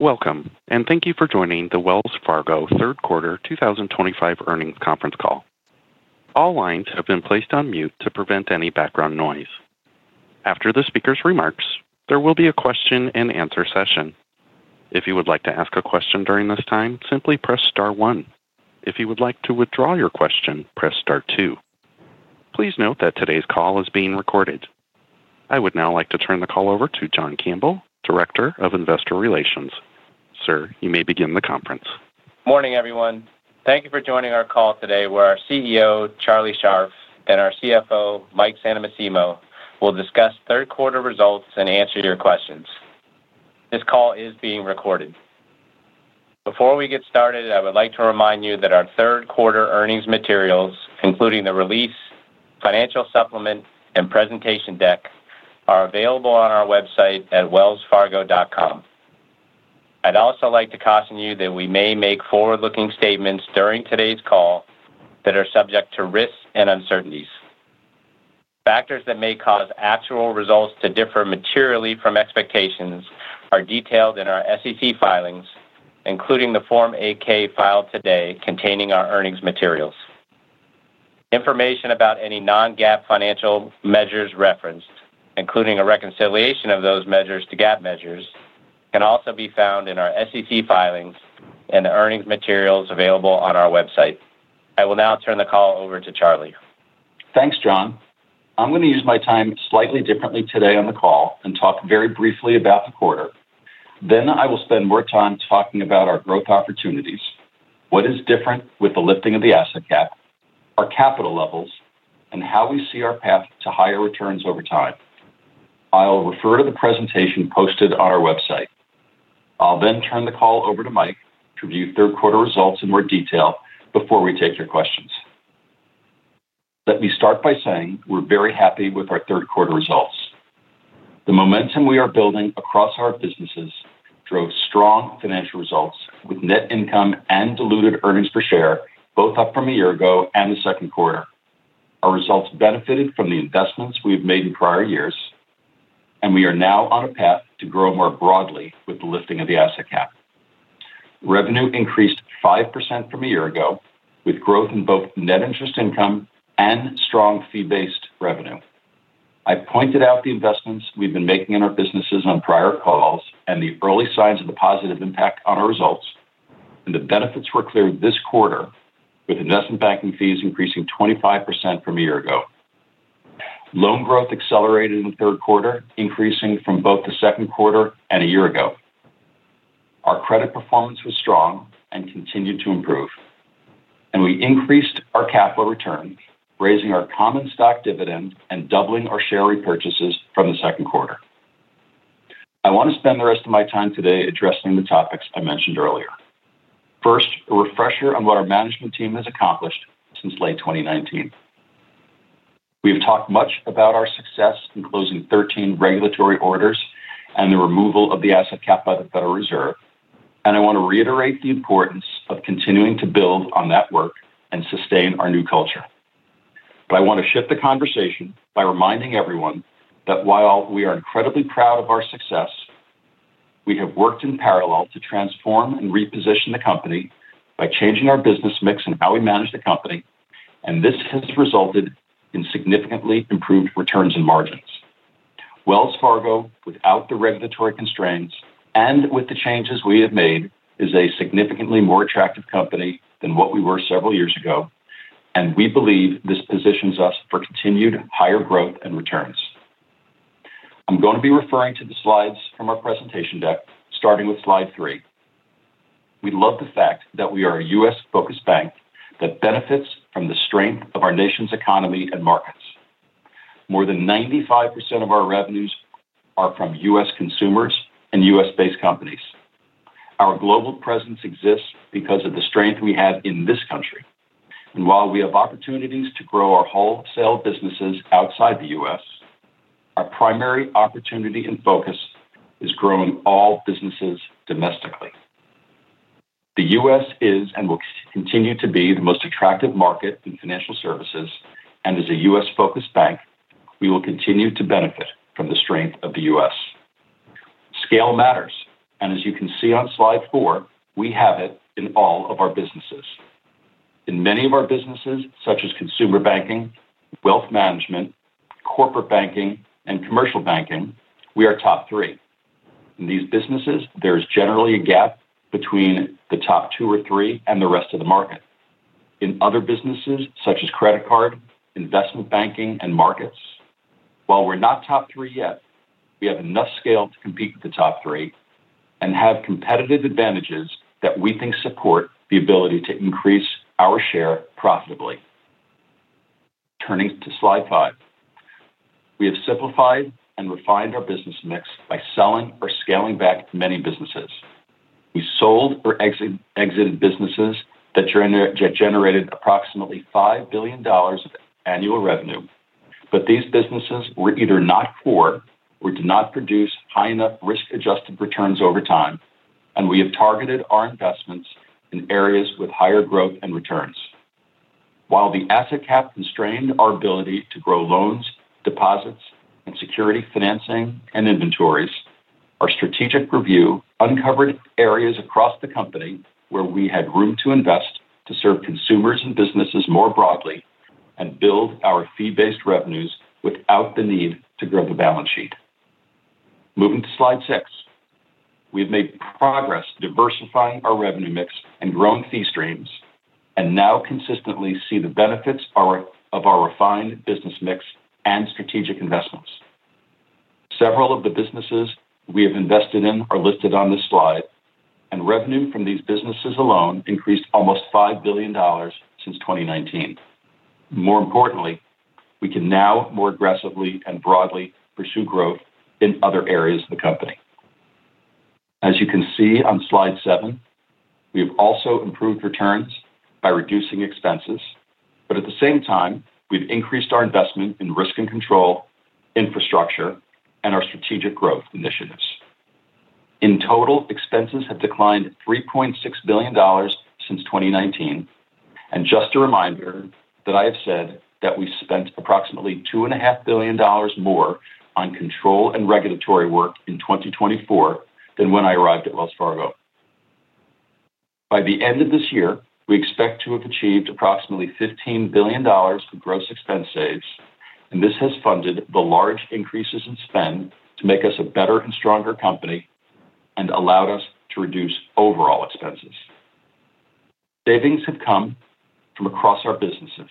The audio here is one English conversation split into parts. Welcome and thank you for joining the Wells Fargo Third Quarter 2025 Earnings Conference Call. All lines have been placed on mute to prevent any background noise. After the speakers' remarks, there will be a question and answer session. If you would like to ask a question during this time, simply press star one. If you would like to withdraw your question, press star two. Please note that today's call is being recorded. I would now like to turn the call over to John Campbell, Director of Investor Relations. Sir, you may begin the conference. Morning everyone. Thank you for joining our call today where our CEO Charlie Scharf and our CFO Michael Santomassimo will discuss third quarter results and answer your questions. This call is being recorded. Before we get started, I would like to remind you that our third quarter earnings materials, including the release, financial supplement, and presentation deck, are available on our website at wellsfargo.com. I'd also like to caution you that we may make forward-looking statements during today's call that are subject to risks and uncertainties. Factors that may cause actual results to differ materially from expectations are detailed in our SEC filings, including the Form 8-K filed today containing our earnings materials. Information about any non-GAAP financial measures referenced, including a reconciliation of those measures to GAAP measures, can also be found in our SEC filings and the earnings materials available on our website. I will now turn the call over to Charlie. Thanks, John. I'm going to use my time slightly differently today on the call and talk very briefly about the quarter. I will spend more time talking about our growth opportunities, what is different with the lifting of the asset cap, our capital levels, and how we see our path to higher returns over time. I'll refer to the presentation posted on our website. I'll then turn the call over to Mike to review third quarter results in more detail before we take your questions. Let me start by saying we're very happy with our third quarter results. The momentum we are building across our businesses drove strong financial results with net income and diluted earnings per share, both up from a year ago and the second quarter. Our results benefited from the investments we have made in prior years, and we are now on a path to grow more broadly with the lifting of the asset cap. Revenue increased 5% from a year ago with growth in both net interest income and strong fee-based revenue. I pointed out the investments we've been making in our businesses on prior calls and the early signs of the positive impact on our results. The benefits were clear this quarter with investment banking fees increasing 25% from a year ago. Loan growth accelerated in the third quarter, increasing from both the second quarter and a year ago. Our credit performance was strong and continued to improve, and we increased our capital return, raising our common stock dividend and doubling our share repurchases from the second quarter. I want to spend the rest of my time today addressing the topics I mentioned earlier. First, a refresher on what our management team has accomplished since late 2019. We have talked much about our success in closing 13 regulatory orders and the removal of the asset cap by the Federal Reserve, and I want to reiterate the importance of continuing to build on that work and sustain our new culture. I want to shift the conversation by reminding everyone that while we are incredibly proud of our success, we have worked in parallel to transform and reposition the company by changing our business mix and how we manage the company, and this has resulted in significantly improved returns and margins. Wells Fargo, without the regulatory constraints and with the changes we have made, is a significantly more attractive company than what we were several years ago, and we believe this positions us for continued higher growth and returns. I'm going to be referring to the slides from our presentation deck, starting with slide three. We love the fact that we are a U.S. focused bank that benefits from the strength of our nation's economy and markets. More than 95% of our revenues are from U.S. consumers and U.S. based companies. Our global presence exists because of the strength we have in this country, and while we have opportunities to grow our wholesale businesses outside the U.S., our primary opportunity and focus is growing all businesses domestically. The U.S. is and will continue to be the most attractive market in financial services, and as a U.S. focused bank, we will continue to benefit from the strength of the U.S. Scale matters, and as you can see on slide four, we have it in all of our businesses. In many of our businesses, such as consumer banking, wealth management, corporate banking, and commercial banking, we are top three. In these businesses, there is generally a gap between the top two or three and the rest of the market. In other businesses, such as credit card, investment banking, and markets, while we're not top three yet, we have enough scale to compete with the top three and have competitive advantages that we think support the ability to increase our share profitably. Turning to slide five, we have simplified and refined our business mix by selling or scaling back many businesses. We sold or exited businesses that generated approximately $5 billion of annual revenue, but these businesses were either not core or did not produce high enough risk-adjusted returns over time, and we have targeted our investments in areas with higher growth and returns. While the asset cap constrained our ability to grow loans, deposits, and security financing and inventories, our strategic review uncovered areas across the company where we had room to invest to serve consumers and businesses more broadly and build our fee-based revenues without the need to grow the balance sheet. Moving to slide six, we have made progress diversifying our revenue mix and growing fee streams and now consistently see the benefits of our refined business mix and strategic investments. Several of the businesses we have invested in are listed on this slide, and revenue from these businesses alone increased almost $5 billion since 2019. More importantly, we can now more aggressively and broadly pursue growth in other areas of the company. As you can see on slide 7, we have also improved returns by reducing expenses, but at the same time we've increased our investment in risk and control infrastructure and our strategic growth initiatives. In total, expenses have declined $3.6 billion since 2019. Just a reminder that I have said that we spent approximately $2.5 billion more on control and regulatory work in 2024 than when I arrived at Wells Fargo. By the end of this year, we expect to have achieved approximately $15 billion of gross expense saves, and this has funded the large increases in spend to make us a better and stronger company and allowed us to reduce overall expenses. Savings have come from across our businesses,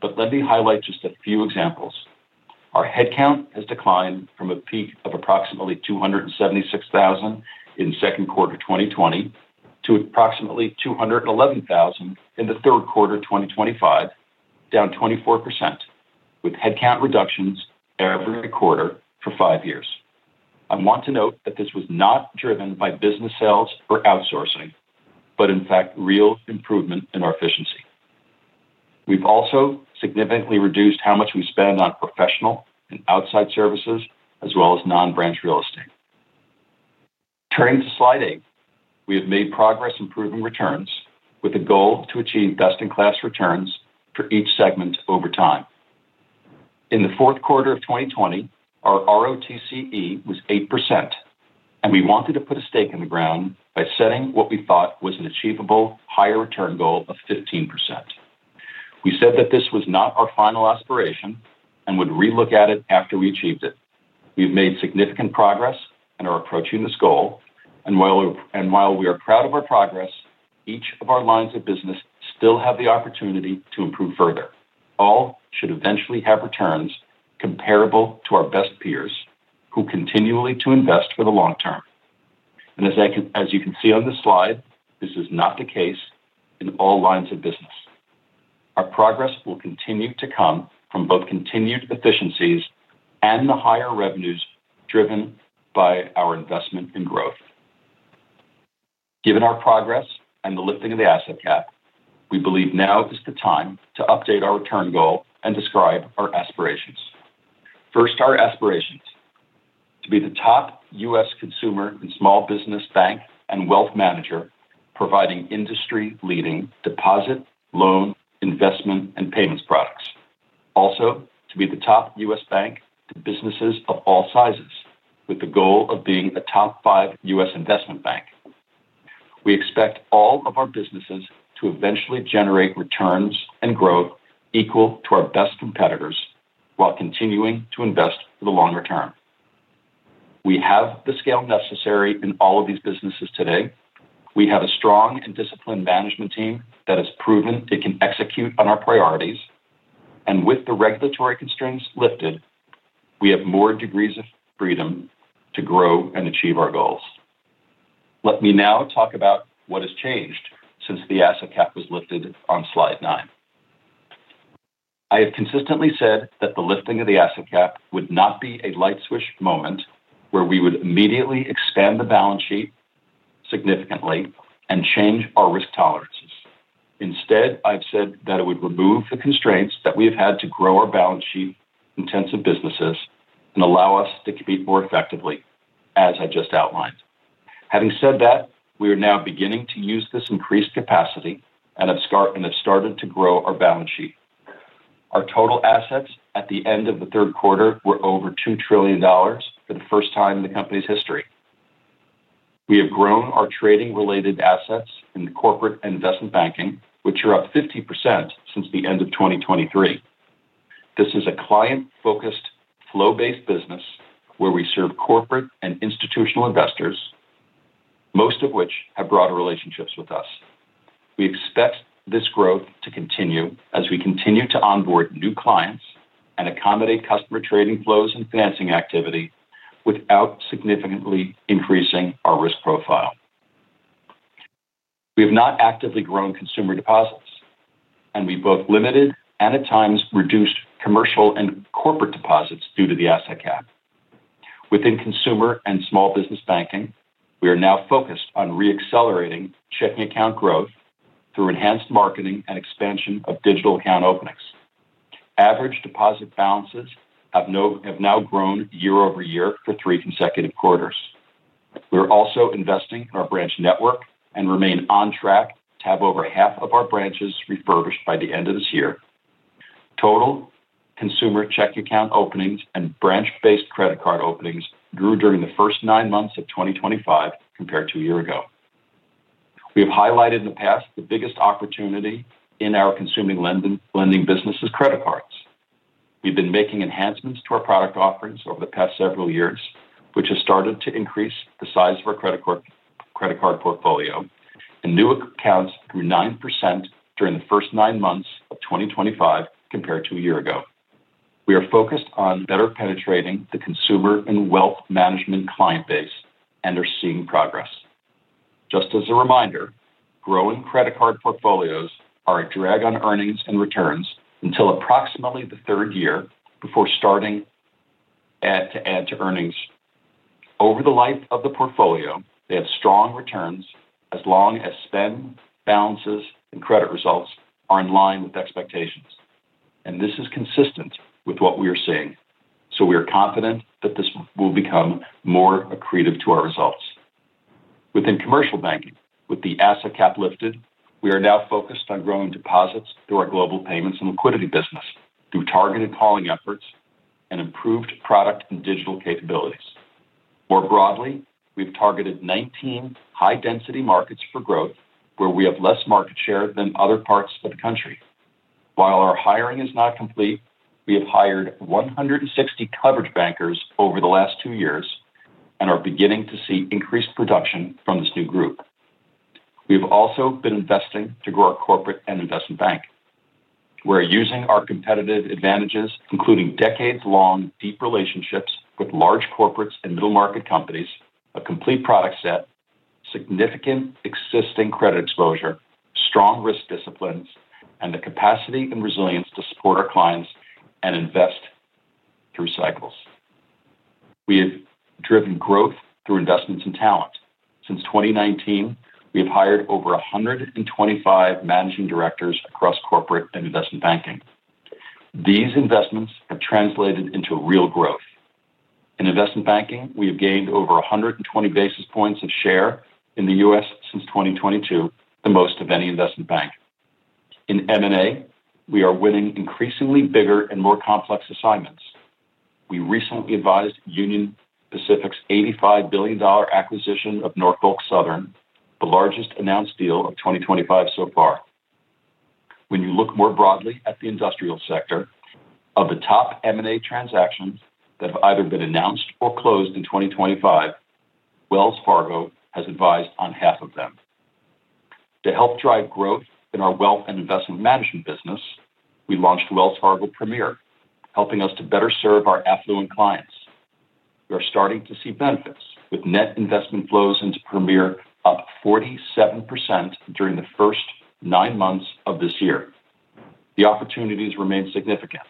but let me highlight just a few examples. Our headcount has declined from a peak of approximately 276,000 in second quarter 2020 to approximately 211,000 in the third quarter 2025, down 24% with headcount reductions every quarter for five years. I want to note that this was not driven by business sales or outsourcing, but in fact real improvement in our efficiency. We've also significantly reduced how much we spend on professional and outside services as well as non-branch real estate. Turning to slide 8, we have made progress improving returns with the goal to achieve best-in-class returns for each segment over time. In the fourth quarter of 2020, our ROTCE was 8%, and we wanted to put a stake in the ground by setting what we thought was an achievable higher return goal of 15%. We said that this was not our final aspiration and would re-look at it after we achieved it. We've made significant progress and are approaching this goal, and while we are proud of our progress, each of our lines of business still have the opportunity to improve further. All should eventually have returns comparable to our best peers who continue to invest for the long term. As you can see on this slide, this is not the case in all lines of business. Our progress will continue to come from both continued efficiencies and the higher revenues driven by our investment in growth. Given our progress and the lifting of the asset cap, we believe now is the time to update our return goal and describe our aspirations. First, our aspiration is to be the top U.S. consumer and small business bank and wealth manager, providing industry-leading deposit, loan, investment, and payments products. Also, to be the top U.S. bank to businesses of all sizes with the goal of being a top five U.S. investment bank. We expect all of our businesses to eventually generate returns and growth equal to our best competitors while continuing to invest for the longer term. We have the scale necessary in all of these businesses today. We have a strong and disciplined management team that has proven it can execute on our priorities, and with the regulatory constraints lifted, we have more degrees of freedom to grow and achieve our goals. Let me now talk about what has changed since the asset cap was lifted on slide 9. I have consistently said that the lifting of the asset cap would not be a light switch moment where we would immediately expand the balance sheet significantly and change our risk tolerances. Instead, I've said that it would remove the constraints that we have had to grow our balance sheet intensive businesses and allow us to compete more effectively as I just outlined. Having said that, we are now beginning to use this increased capacity and have started to grow our balance sheet. Our total assets at the end of the third quarter were over $2 trillion for the first time in the company's history. We have grown our trading related assets in corporate and investment banking, which are up 50% since the end of 2023. This is a client focused, flow based business where we serve corporate and institutional investors, most of which have broader relationships with us. We expect this growth to continue as we continue to onboard new clients and accommodate customer trading flows and financing activity without significantly increasing our risk profile. We have not actively grown consumer deposits, and we both limited and at times reduced commercial and corporate deposits due to the asset cap. Within consumer and small business banking, we are now focused on re-accelerating checking account growth through enhanced marketing and expansion of digital account openings. Average deposit balances have now grown year over year for three consecutive quarters. We're also investing in our branch network and remain on track to have over half of our branches refurbished by the end of this year. Total consumer check account openings and branch based credit card openings grew during the first nine months of 2025 compared to a year ago. We have highlighted in the past the biggest opportunity in our consumer lending business is credit cards. We've been making enhancements to our product offerings over the past several years, which has started to increase the size of our credit card portfolio, and new accounts grew 9% during the first nine months of 2025 compared to a year ago. We are focused on better penetrating the consumer and wealth management client base and are seeing progress. Just as a reminder, growing credit card portfolios are a drag on earnings and returns until approximately the third year before starting to add to earnings over the life of the portfolio. They have strong returns as long as spend balances and credit results are in line with expectations, and this is consistent with what we are seeing. We are confident that this will become more accretive to our results. Within commercial banking, with the asset cap lifted, we are now focused on growing deposits through our global payments and liquidity business through targeted calling efforts and improved product and digital capabilities. More broadly, we've targeted 19 high-density markets for growth where we have less market share than other parts of the country. While our hiring is not complete, we have hired 160 coverage bankers over the last two years and are beginning to see increased production from this new group. We've also been investing to grow our corporate and investment bank. We're using our competitive advantages, including decades-long deep relationships with large corporates and middle market companies, a complete product set, significant existing credit exposure, strong risk disciplines, and the capacity and resilience to support our clients and invest through cycles. We have driven growth through investments in talent. Since 2019, we have hired over 125 managing directors across corporate and investment banking. These investments have translated into real growth in investment banking. We have gained over 120 basis points of share in the U.S. since 2022, the most of any investment bank in M&A. We are winning increasingly bigger and more complex assignments. We recently advised Union Pacific's $85 billion acquisition of Norfolk Southern, the largest announced deal of 2025 so far. When you look more broadly at the industrial sector, of the top M&A transactions that have either been announced or closed in 2025, Wells Fargo has advised on half of them. To help drive growth in our wealth and investment management business, we launched Wells Fargo Premier, helping us to better serve our affluent clients. We are starting to see benefits. With net investment flows into Premier up 47% during the first nine months of this year, the opportunities remain significant.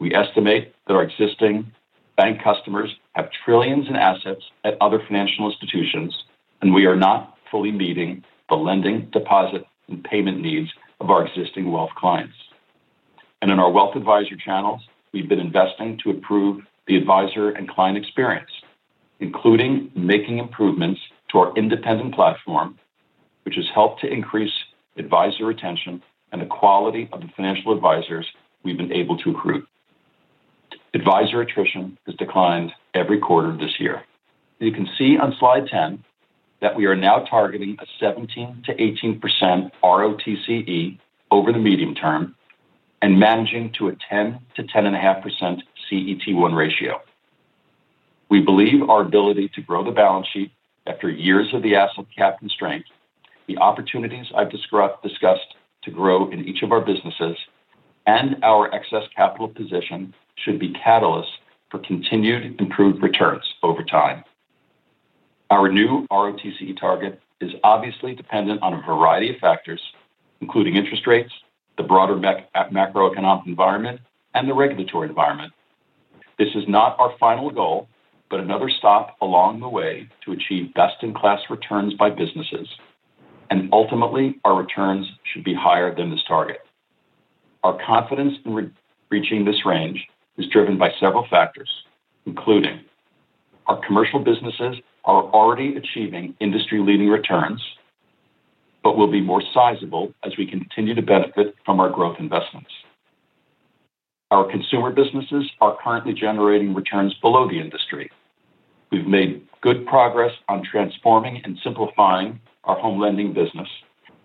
We estimate that our existing bank customers have trillions in assets at other financial institutions, and we are not fully meeting the lending, deposit, and payment needs of our existing wealth clients and in our wealth advisor channels. We've been investing to improve the advisor and client experience, including making improvements to our independent platform, which has helped to increase advisor retention and the quality of the financial advisors we've been able to recruit. Advisor attrition has declined every quarter this year. You can see on Slide 10 that we are now targeting a 17%-18% ROTCE over the medium term and managing to a 10%-10.5% CET1 ratio. We believe our ability to grow the balance sheet after years of the asset cap constraint, the opportunities I've discussed to grow in each of our businesses, and our excess capital position should be catalysts for continued improved returns over time. Our new ROTCE target is obviously dependent on a variety of factors, including interest rates, the broader macroeconomic environment, and the regulatory environment. This is not our final goal, but another stop along the way to achieve best-in-class returns by businesses, and ultimately our returns should be higher than this target. Our confidence reaching this range is driven by several factors, including our commercial businesses are already achieving industry-leading returns but will be more sizable as we continue to benefit from our growth investments. Our consumer businesses are currently generating returns below the industry. We've made good progress on transforming and simplifying our home lending business,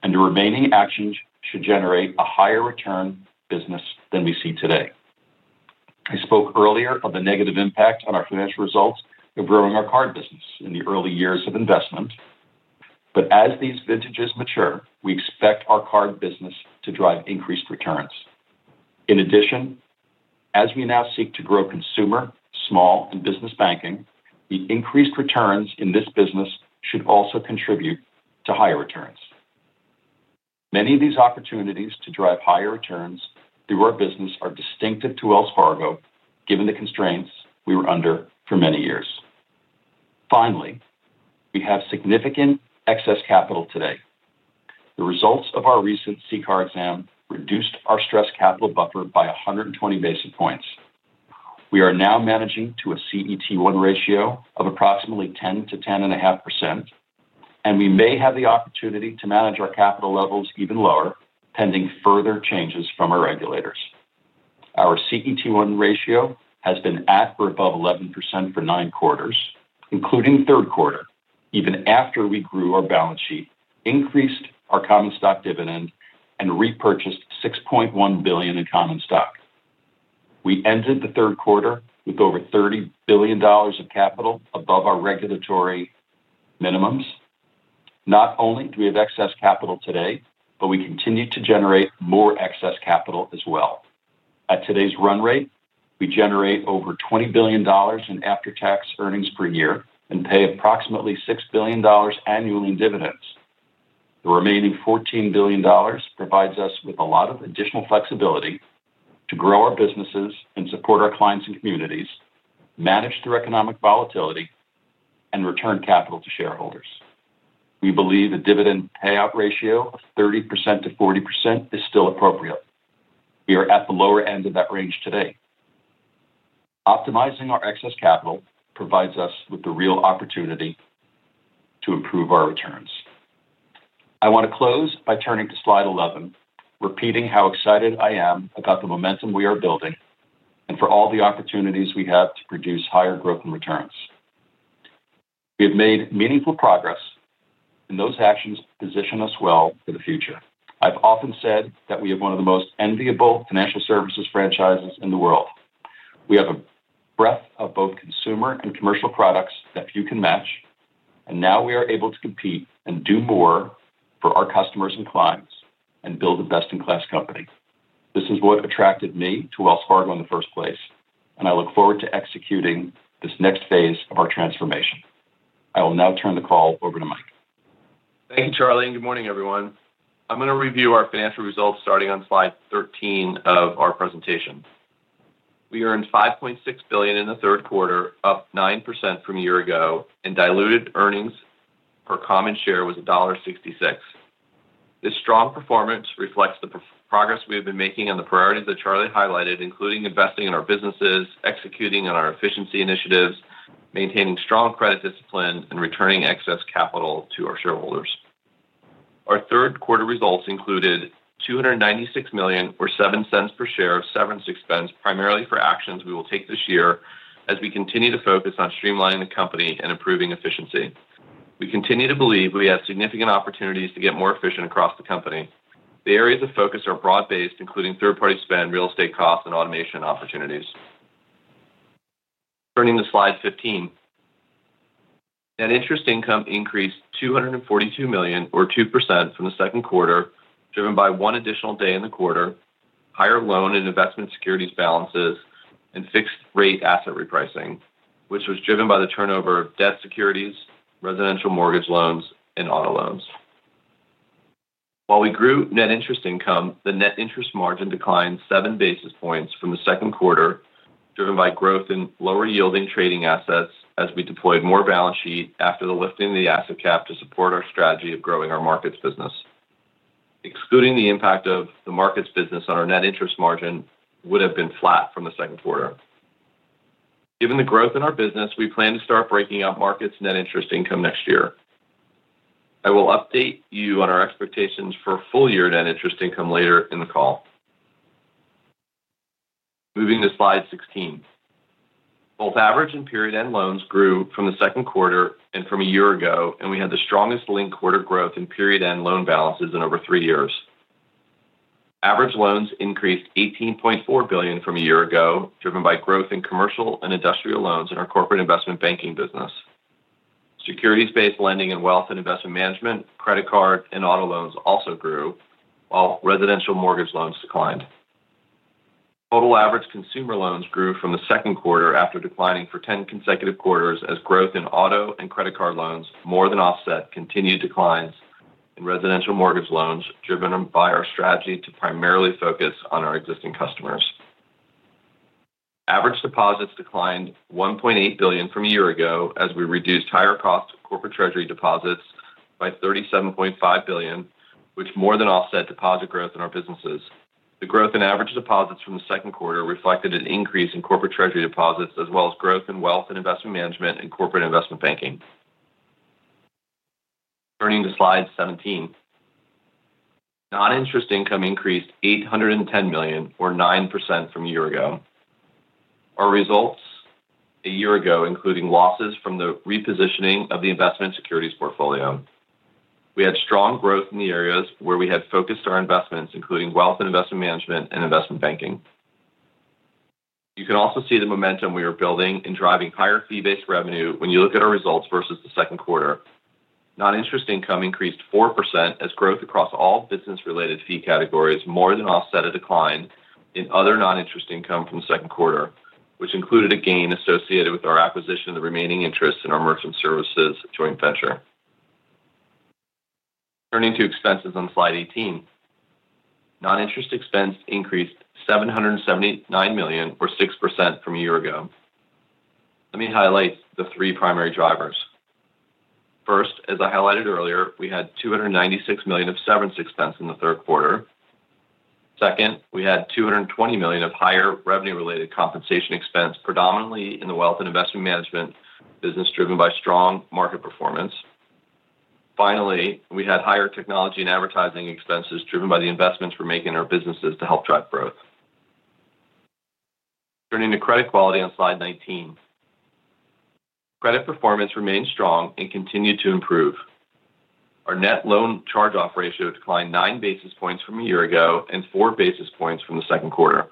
and the remaining actions should generate a higher return business than we see today. I spoke earlier of the negative impact on our financial results of growing our card business in the early years of investment, but as these vintages mature, we expect our card business to drive increased returns. In addition, as we now seek to grow consumer small and business banking, the increased returns in this business should also contribute to higher returns. Many of these opportunities to drive higher returns through our business are distinctive to Wells Fargo given the constraints we were under for many years. Finally, we have significant excess capital today. The results of our recent CCAR exam reduced our stress capital buffer by 120 basis points. We are now managing to a CET1 ratio of approximately 10%-10.5% and we may have the opportunity to manage our capital levels even lower pending further changes from our regulators. Our CET1 ratio has been at or above 11% for nine quarters including third quarter, even after we grew our balance sheet, increased our common stock dividend, and repurchased $6.1 billion in common stock. We ended the third quarter with over $30 billion of capital above our regulatory minimums. Not only do we have excess capital today, but we continue to generate more excess capital as well. At today's run rate, we generate over $20 billion in after-tax earnings per year and pay approximately $6 billion annually in dividends. The remaining $14 billion provides us with a lot of additional flexibility to grow our businesses and support our clients and communities, manage through economic volatility, and return capital to shareholders. We believe a dividend payout ratio of 30%-40% is still appropriate. We are at the lower end of that range today. Optimizing our excess capital provides us with the real opportunity to improve our returns. I want to close by turning to slide 11, repeating how excited I am about the momentum we are building and for all the opportunities we have to produce higher growth and returns. We have made meaningful progress and those actions position us well for the future. I've often said that we have one of the most enviable financial services franchises in the world. We have a breadth of both consumer and commercial products that few can match and now we are able to compete and do more for our customers and clients and build a best-in-class company. This is what attracted me to Wells Fargo in the first place and I look forward to executing this next phase of our transformation. I will now turn the call over to Mike. Thank you, Charlie, and good morning, everyone. I'm going to review our financial results starting on Slide 13 of our presentation. We earned $5.6 billion in the third quarter, up 9% from a year ago, and diluted earnings per common share was $1.66. This strong performance reflects the progress we have been making on the priorities that Charlie highlighted, including investing in our businesses, executing on our efficiency initiatives, maintaining strong credit discipline, and returning excess capital to our shareholders. Our third quarter results included $296 million, or $0.07 per share, of severance expense primarily for actions we will take this year. As we continue to focus on streamlining the company and improving efficiency, we continue to believe we have significant opportunities to get more efficient across the company. The areas of focus are broad based, including third-party spend, real estate costs, and automation opportunities. Turning to Slide 15, net interest income increased $242 million, or 2%, from the second quarter, driven by one additional day in the quarter, higher loan and investment securities balances, and fixed rate asset repricing, which was driven by the turnover of debt securities, residential mortgage loans, and auto loans. While we grew net interest income, the net interest margin declined 7 basis points from the second quarter, driven by growth in lower-yielding trading assets as we deployed more balance sheet after the lifting of the asset cap to support our strategy of growing our markets business. Excluding the impact of the markets business on our net interest margin, it would have been flat from the second quarter given the growth in our business. We plan to start breaking out markets net interest income next year. I will update you on our expectations for full year end interest income later in the call. Moving to Slide 16, both average and period-end loans grew from the second quarter and from a year ago, and we had the strongest linked quarter growth in period-end loan balances in over three years. Average loans increased $18.4 billion from a year ago, driven by growth in commercial and industrial loans in our corporate investment banking business, securities-based lending, and wealth and investment management. Credit card and auto loans also grew, while residential mortgage loans declined. Total average consumer loans grew from the second quarter after declining for 10 consecutive quarters, as growth in auto and credit card loans more than offset continued declines in residential mortgage loans driven by our strategy to primarily focus on our existing customers. Average deposits declined $1.8 billion from a year ago as we reduced higher cost corporate treasury deposits by $37.5 billion, which more than offset deposit growth in our businesses. The growth in average deposits from the second quarter reflected an increase in corporate treasury deposits as well as growth in wealth and investment management and corporate investment banking. Turning to Slide 17, noninterest income increased $810 million, or 9%, from a year ago. Our results a year ago included losses from the repositioning of the investment securities portfolio. We had strong growth in the areas where we had focused our investments, including wealth and investment management and investment banking. You can also see the momentum we are building in driving higher fee-based revenue when you look at our results versus the second quarter. Noninterest income increased 4% as growth across all business-related fee categories more than offset a decline in other noninterest income from the second quarter, which included a gain associated with our acquisition of the remaining interest in our merchant services joint venture. Turning to expenses on Slide 18, noninterest expense increased $779 million, or 6%, from a year ago. Let me highlight the 3 primary drivers. First, as I highlighted earlier, we had $296 million of severance expense in the third quarter. Second, we had $220 million of higher revenue-related compensation expense, predominantly in the wealth and investment management business, driven by strong market performance. Finally, we had higher technology and advertising expenses driven by the investments we're making in our businesses to help drive growth. Turning to credit quality on Slide 19, credit performance remained strong and continued to improve. Our net loan charge-off ratio declined 9 basis points from a year ago and 4 basis points from the second quarter.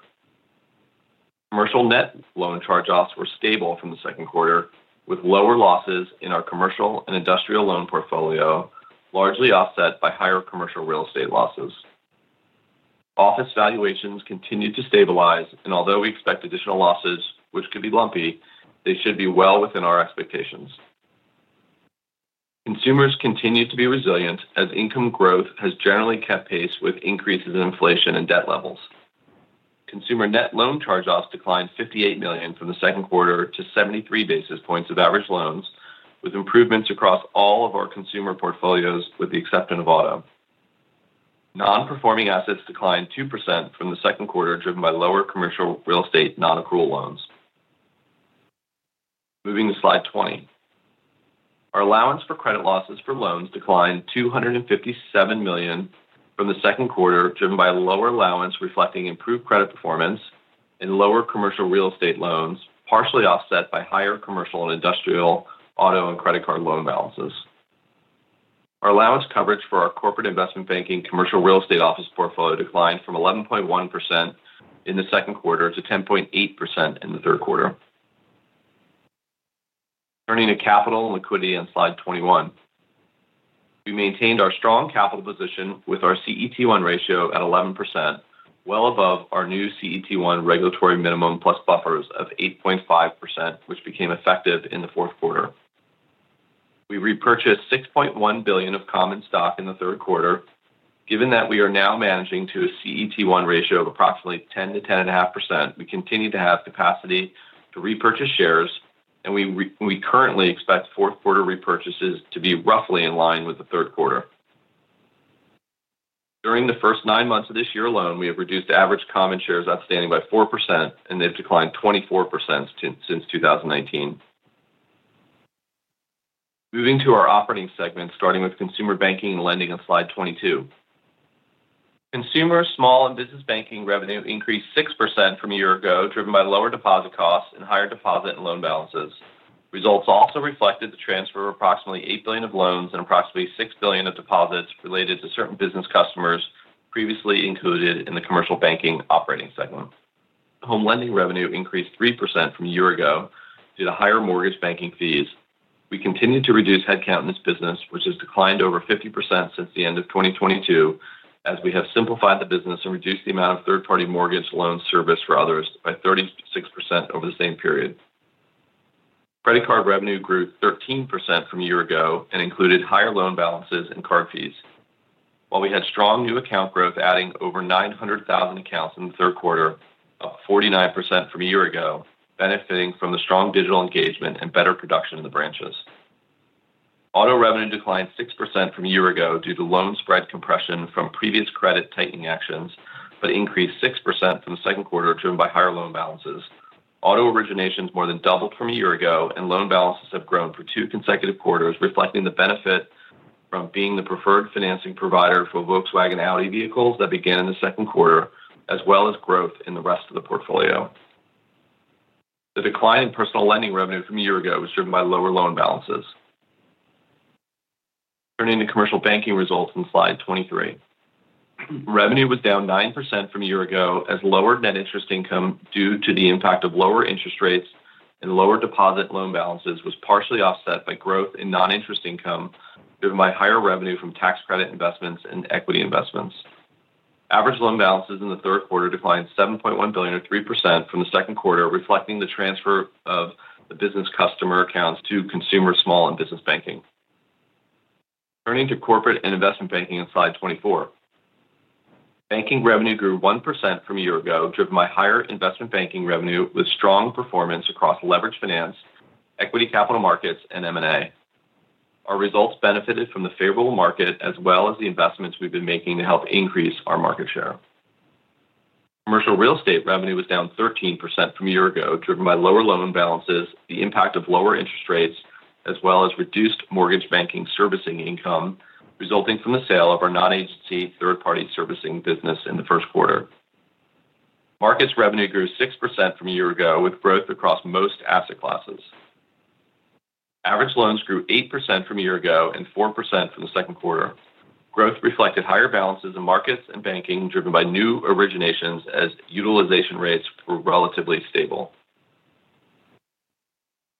Commercial net loan charge-offs were stable from the second quarter, with lower losses in our commercial and industrial loan portfolio largely offset by higher commercial real estate losses. Office valuations continue to stabilize, and although we expect additional losses which could be lumpy, they should be well within our expectations. Consumers continue to be resilient as income growth has generally kept pace with increases in inflation and debt levels. Consumer net loan charge-offs declined $58 million from the second quarter to 73 basis points of average loans, with improvements across all of our consumer portfolios with the exception of auto. Non-performing assets declined 2% from the second quarter, driven by lower commercial real estate non-accrual loans. Moving to Slide 20, our allowance for credit losses for loans declined $257 million from the second quarter, driven by lower allowance reflecting improved credit performance and lower commercial real estate loans, partially offset by higher commercial and industrial, auto, and credit card loan balances. Our allowance coverage for our corporate investment banking commercial real estate office portfolio declined from 11.1% in the second quarter to 10.8% in the third quarter. Turning to capital and liquidity on Slide 21, we maintained our strong capital position with our CET1 ratio at 11%, well above our new CET1 regulatory minimum plus buffers of 8.5% which became effective in the fourth quarter. We repurchased $6.1 billion of common stock in the third quarter. Given that we are now managing to a CET1 ratio of approximately 10%-10.5%, we continue to have capacity to repurchase shares, and we currently expect fourth quarter repurchases to be roughly in line with the third quarter. During the first nine months of this year alone, we have reduced average common shares outstanding by 4%, and they've declined 24% since 2019. Moving to our operating segments, starting with consumer banking and lending on Slide 22, consumer small and business banking revenue increased 6% from a year ago, driven by lower deposit costs and higher deposit and loan balances. Results also reflected the transfer of approximately $8 billion of loans and approximately $6 billion of deposits related to certain business customers previously included in the commercial banking operating segment. Home lending revenue increased 3% from a year ago due to higher mortgage banking fees. We continue to reduce headcount in this business, which has declined over 50% since the end of 2022 as we have simplified the business and reduced the amount of third-party mortgage loan service for others by 36% over the same period. Credit card revenue grew 13% from a year ago and included higher loan balances and card fees, while we had strong new account growth, adding over 900,000 accounts in the third quarter, up 49% from a year ago, benefiting from the strong digital engagement and better production in the branches. Auto revenue declined 6% from a year ago due to loan spread compression from previous credit tightening actions, but increased 6% from the second quarter, driven by higher loan balances. Auto originations more than doubled from a year ago, and loan balances have grown for two consecutive quarters, reflecting the benefit from being the preferred financing provider for Volkswagen Audi vehicles that began in the second quarter as well as growth in the rest of the portfolio. The decline in personal lending revenue from a year ago was driven by lower loan balances. Turning to Commercial Banking results on slide 23, revenue was down 9% from a year ago as lower net interest income due to the impact of lower interest rates and lower deposit loan balances was partially offset by growth in non-interest income driven by higher revenue from tax credit investments and equity investments. Average loan balances in the third quarter declined $7.1 billion, or 3%, from the second quarter, reflecting the transfer of the business customer accounts to Consumer, Small and Business Banking. Turning to Corporate and Investment Banking on slide 24, banking revenue grew 1% from a year ago, driven by higher investment banking revenue with strong performance across leveraged finance, equity capital markets, and M&A. Our results benefited from the favorable market as well as the investments we've been making to help increase our market share. Commercial real estate revenue was down 13% from a year ago, driven by lower loan balances, the impact of lower interest rates, as well as reduced mortgage banking servicing income resulting from the sale of our non-agency third-party servicing business. In the first quarter, markets revenue grew 6% from a year ago with growth across most asset classes. Average loans grew 8% from a year ago and 4% from the second quarter. Growth reflected higher balances in markets and banking driven by new originations as utilization rates were relatively stable.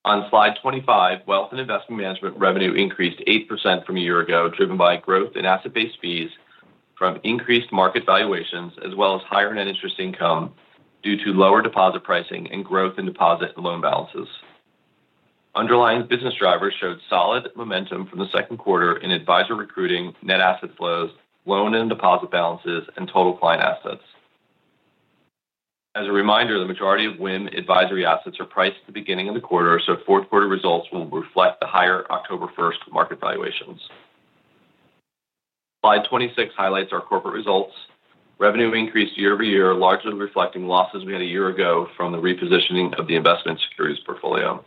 On slide 25, wealth and investment management revenue increased 8% from a year ago, driven by growth in asset-based fees from increased market valuations as well as higher net interest income due to lower deposit pricing and growth in deposit and loan balances. Underlying business drivers showed solid momentum from the second quarter in Advisor recruiting, net asset flows, loan and deposit balances, and total client assets. As a reminder, the majority of WIM advisory assets are priced at the beginning of the quarter, so fourth quarter results will reflect the higher October 1st market valuations. Slide 26 highlights our corporate results. Revenue increased year over year, largely reflecting losses we had a year ago from the repositioning of the investment securities portfolio.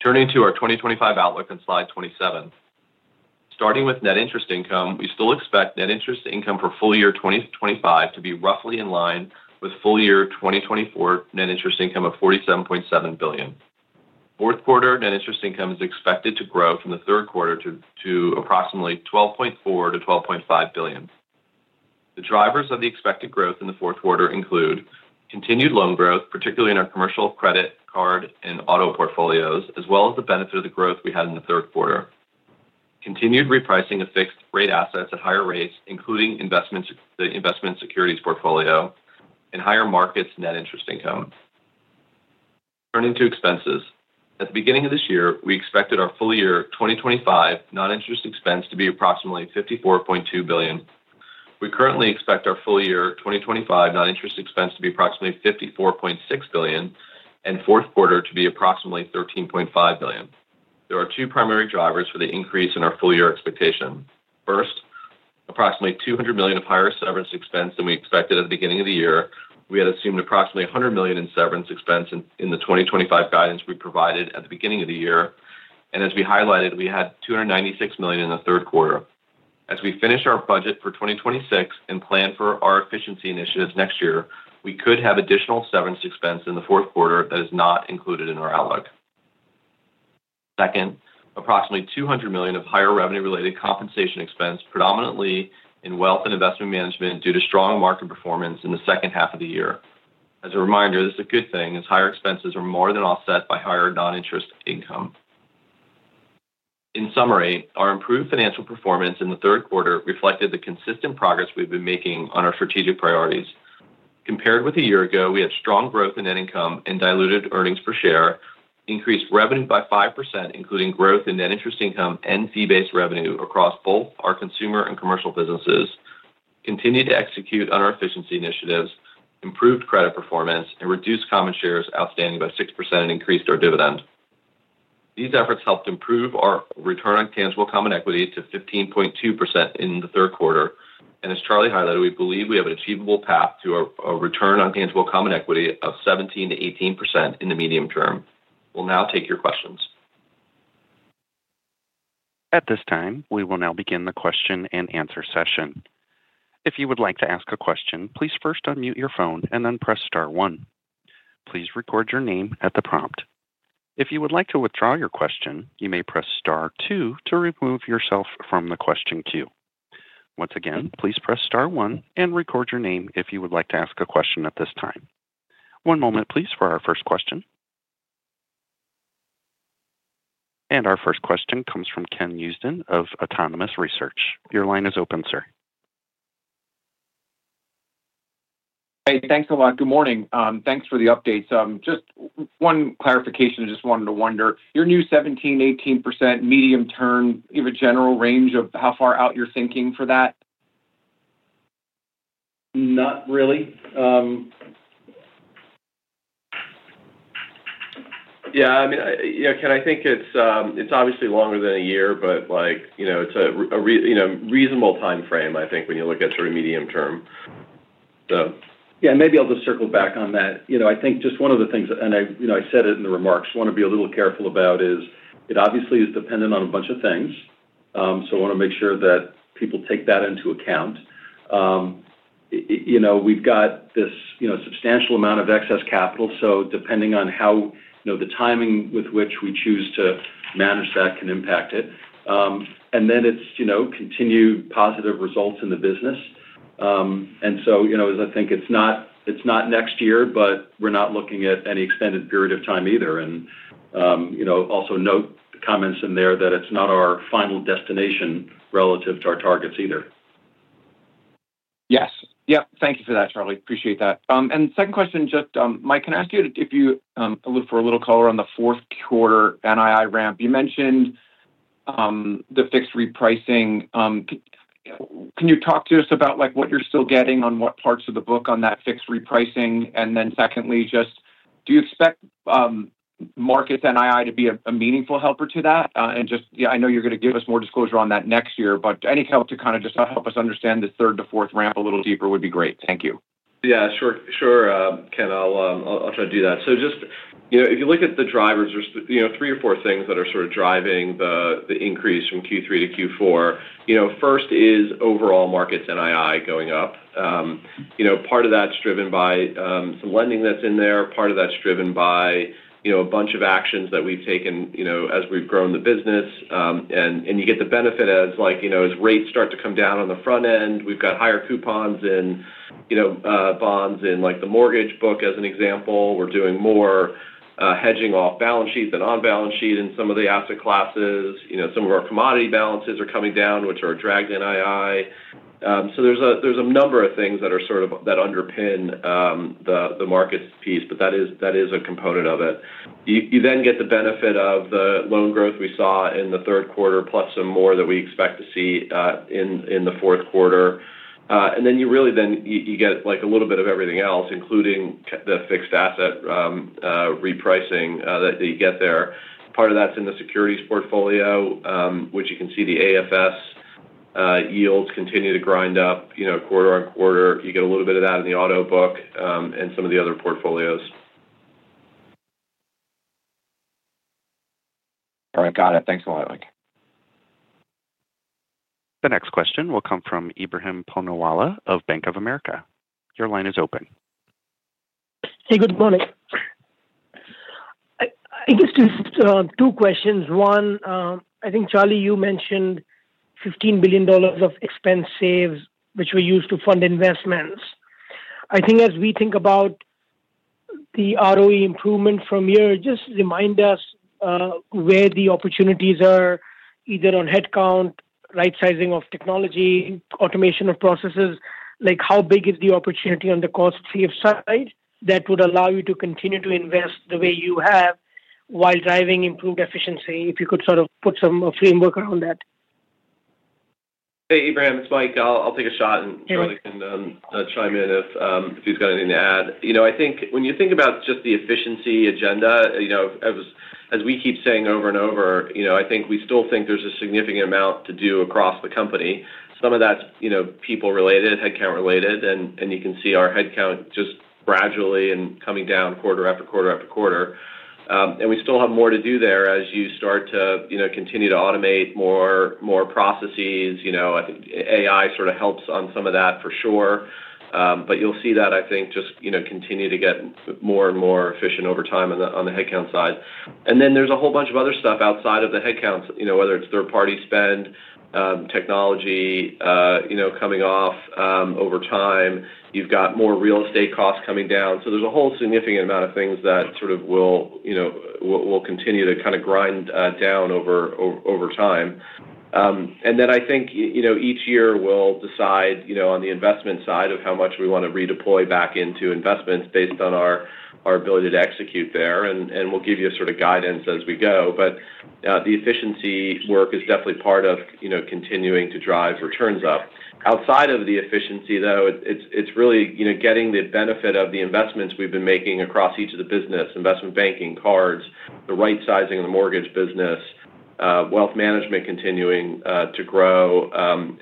Turning to our 2025 outlook on slide 27, starting with net interest income, we still expect net interest income for full year 2025 to be roughly in line with full year 2024 net interest income of $47.7 billion. Fourth quarter net interest income is expected to grow from the third quarter to approximately $12.4 billion-$12.5 billion. The drivers of the expected growth in the fourth quarter include continued loan growth, particularly in our commercial, credit card, and auto portfolios, as well as the benefit of the growth we had in the third quarter, continued repricing of fixed rate assets at higher rates, including the investment securities portfolio, and higher markets. Net interest income turning to expenses, at the beginning of this year we expected our full year 2025 non-interest expense to be approximately $54.2 billion. We currently expect our full year 2025 non-interest expense to be approximately $54.6 billion and fourth quarter to be approximately $13.5 billion. There are two primary drivers for the increase in our full year expectation. First, approximately $200 million of higher severance expense than we expected at the beginning of the year. We had assumed approximately $100 million in severance expense in the 2025 guidance we provided at the beginning of the year, and as we highlighted, we had $296 million in the third quarter. As we finish our budget for 2026 and plan for our efficiency initiatives next year, we could have additional severance expense in the fourth quarter that is not included in our outlook. Second, approximately $200 million of higher revenue-related compensation expense, predominantly in Wealth and Investment Management due to strong market performance in the second half of the year. As a reminder, this is a good thing as higher expenses are more than offset by higher non-interest income. In summary, our improved financial performance in the third quarter reflected the consistent progress we've been making on our strategic priorities. Compared with a year ago, we had strong growth in net income and diluted EPS, increased revenue by 5% including growth in net interest income and fee-based revenue across both our consumer and commercial businesses, continued to execute on our efficiency initiatives, improved credit performance, reduced common shares outstanding by 6%, and increased our dividend. These efforts helped improve our return on tangible common equity to 15.2% in the third quarter, and as Charlie highlighted, we believe we have an achievable path to a return on tangible common equity of 17%-18% in the medium term. Will now take your questions. At this time, we will now begin the question and answer session. If you would like to ask a question, please first unmute your phone and then press star one. Please record your name at the prompt. If you would like to withdraw your question, you may press star two to remove yourself from the question queue. Once again, please press star one and record your name if you would like to ask a question at this time. One moment, please, for our first question. Our first question comes from Ken Usdin of Autonomous Research. Your line is open, sir. Hey, thanks a lot. Good morning. Thanks for the updates. Just one clarification. I just wanted to wonder, your new 17%-18% medium term, give a general range of how far out you're thinking for that? Not really. Yeah, I mean, Ken, I think it's obviously longer than a year, but it's a reasonable time frame. I think when you look at sort of medium term. Maybe I'll just circle back on that. I think just one of the things, and I said it in the remarks I want to be a little careful about, is it obviously is dependent on a bunch of things. I want to make sure that people take that into account. We've got this substantial amount of excess capital, so depending on how the timing with which we choose to manage that can impact it. Then it's continued positive results in the business. I think it's not next year, but we're not looking at any extended period of time either. Also note the comments in there that it's not our final destination relative to our targets either. Yes. Yep. Thank you for that, Charlie. Appreciate that. Second question, Mike, can I ask you if you look for a little color on the fourth quarter NII ramp? You mentioned the fixed repricing. Can you talk to us about what you're still getting on what parts of the book on that fixed repricing? Secondly, do you expect Markets NII to be a meaningful helper to that? I know you're going to give us more disclosure on that next year, but to kind of just help us understand the third to fourth ramp a little deeper would be great. Thank you. Yeah, sure, sure, Ken. I'll try to do that. If you look at the drivers, there's three or four things that are sort of driving the increase from Q3 to Q4. First is overall markets NII going up. Part of that's driven by some lending that's in there. Part of that's driven by a bunch of actions that we've taken as we've grown the business, and you get the benefit as rates start to come down on the front end. We've got higher coupons in bonds in the mortgage book as an example. We're doing more hedging off balance sheet than on balance sheet. In some of the asset classes, some of our commodity balances are coming down, which are dragging. There's a number of things that underpin the market piece, but that is a component of it. You then get the benefit of the loan growth we saw in the third quarter, plus some more that we expect to see in the fourth quarter. Then you get a little bit of everything else, including the fixed asset repricing that you get there. Part of that's in the securities portfolio, which you can see the AFS yields continue to grind up quarter on quarter. You get a little bit of that in the auto book and some of the other portfolios. All right, got it. Thanks a lot. The next question will come from Ebrahim Poonawala of Bank of America. Your line is open. Hey, good morning. I guess two questions. One, I think, Charlie, you mentioned $15 billion of expense saves which were used to fund investments. I think as we think about the ROE improvement from here, just remind us where the opportunities are either on headcount, right, sizing of technology, automation of processes, like how big is the opportunity on the cost save side that would allow you to continue to invest the way you have while driving improved efficiency. If you could sort of put some framework around that. Hey, Abraham, it's Mike. I'll take a shot. Charlie can chime in if he's got anything to add. When you think about just the efficiency agenda, as we keep saying over and over, I think we still think there's a significant amount to do across the company. Some of that's people related, headcount related. You can see our headcount just gradually coming down quarter after quarter after quarter. We still have more to do there. As you start to continue to automate more processes, AI sort of helps on some of that for sure, but you'll see that just continue to get more and more efficient over time on the headcount side. There's a whole bunch of other stuff outside of the headcount, whether it's third-party spend, technology coming off. Over time you've got more real estate costs coming down. There's a whole significant amount of things that will continue to kind of grind down over time. Each year we'll decide on the investment side how much we want to redeploy back into investments based on our ability to execute there. We'll give you guidance as we go. The efficiency work is definitely part of continuing to drive returns up. Outside of the efficiency, it's really getting the benefit of the investments we've been making across each of the business investment banking cards, the right sizing of the mortgage business, wealth management continuing to grow and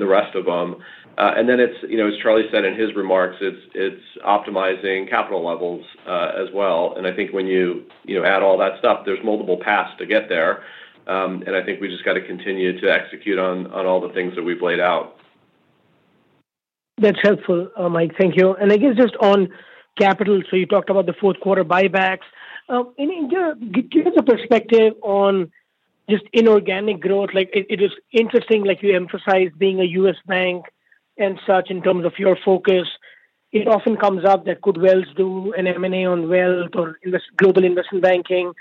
the rest of them. As Charlie said in his remarks, it's optimizing capital levels as well. When you add all that stuff, there's multiple paths to get there. We just got to continue to execute on all the things that we've laid out. That's helpful, Mike. Thank you. I guess just on capital. You talked about the fourth quarter buybacks. Give us a perspective on just inorganic growth. It is interesting, you emphasized being a U.S. bank and such in terms of your focus. It often comes up that could Wells do an M&A on wealth or global investment banking?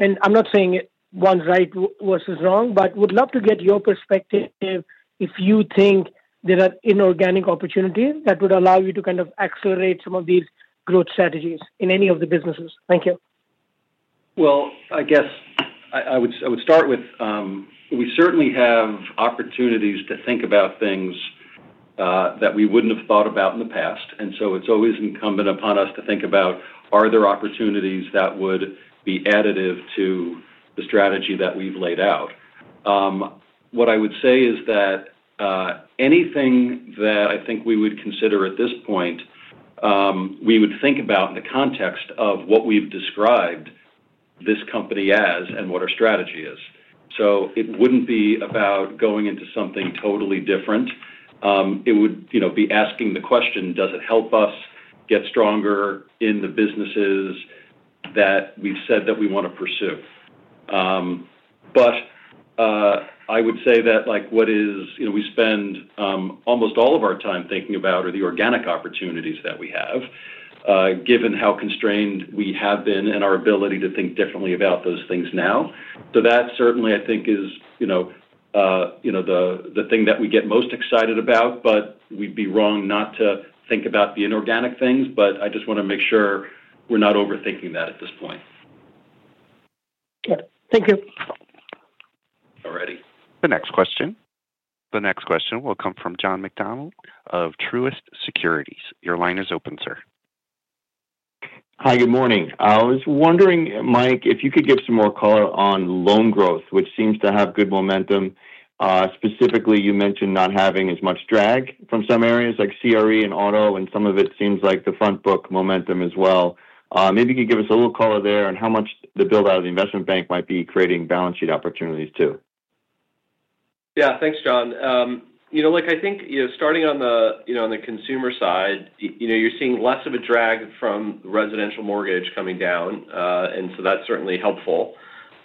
I'm not saying one's right versus wrong, but would love to get your perspective if you think there are inorganic opportunities that would allow you to kind of accelerate some of these growth strategies in any of the businesses. Thank you. I guess I would start with we certainly have opportunities to think about things that we wouldn't have thought about in the past. It's always incumbent upon us to think about are there opportunities that would be additive to the strategy that we've laid out. What I would say is that anything that I think we would consider at this point, we would think about in the context of what we've described this company as and what our strategy is. It wouldn't be about going into something totally different. It would be asking the question, does it help us get stronger in the businesses that we've said that we want to pursue. I would say that what we spend almost all of our time thinking about are the organic opportunities that we have, given how constrained we have been in our ability to think differently about those things now. That certainly is the thing that we get most excited about. We'd be wrong not to think about the inorganic things, but I just want to make sure we're not overthinking that at this point. Thank you. Alright. The next question. The next question will come from John McDonald of Truist Securities. Your line is open, sir. Hi, good morning. I was wondering, Mike, if you could give some more color on loan growth. Which seems to have good momentum. Specifically, you mentioned not having as much drag from some areas like commercial real estate and auto, and some of it seems like the front book momentum as well. Maybe you could give us a little color there and how much the build out of the investment bank might be creating balance sheet opportunities too. Yeah, thanks, John. I think starting on the consumer side, you're seeing less of a drag from residential mortgage coming down, and that's certainly helpful.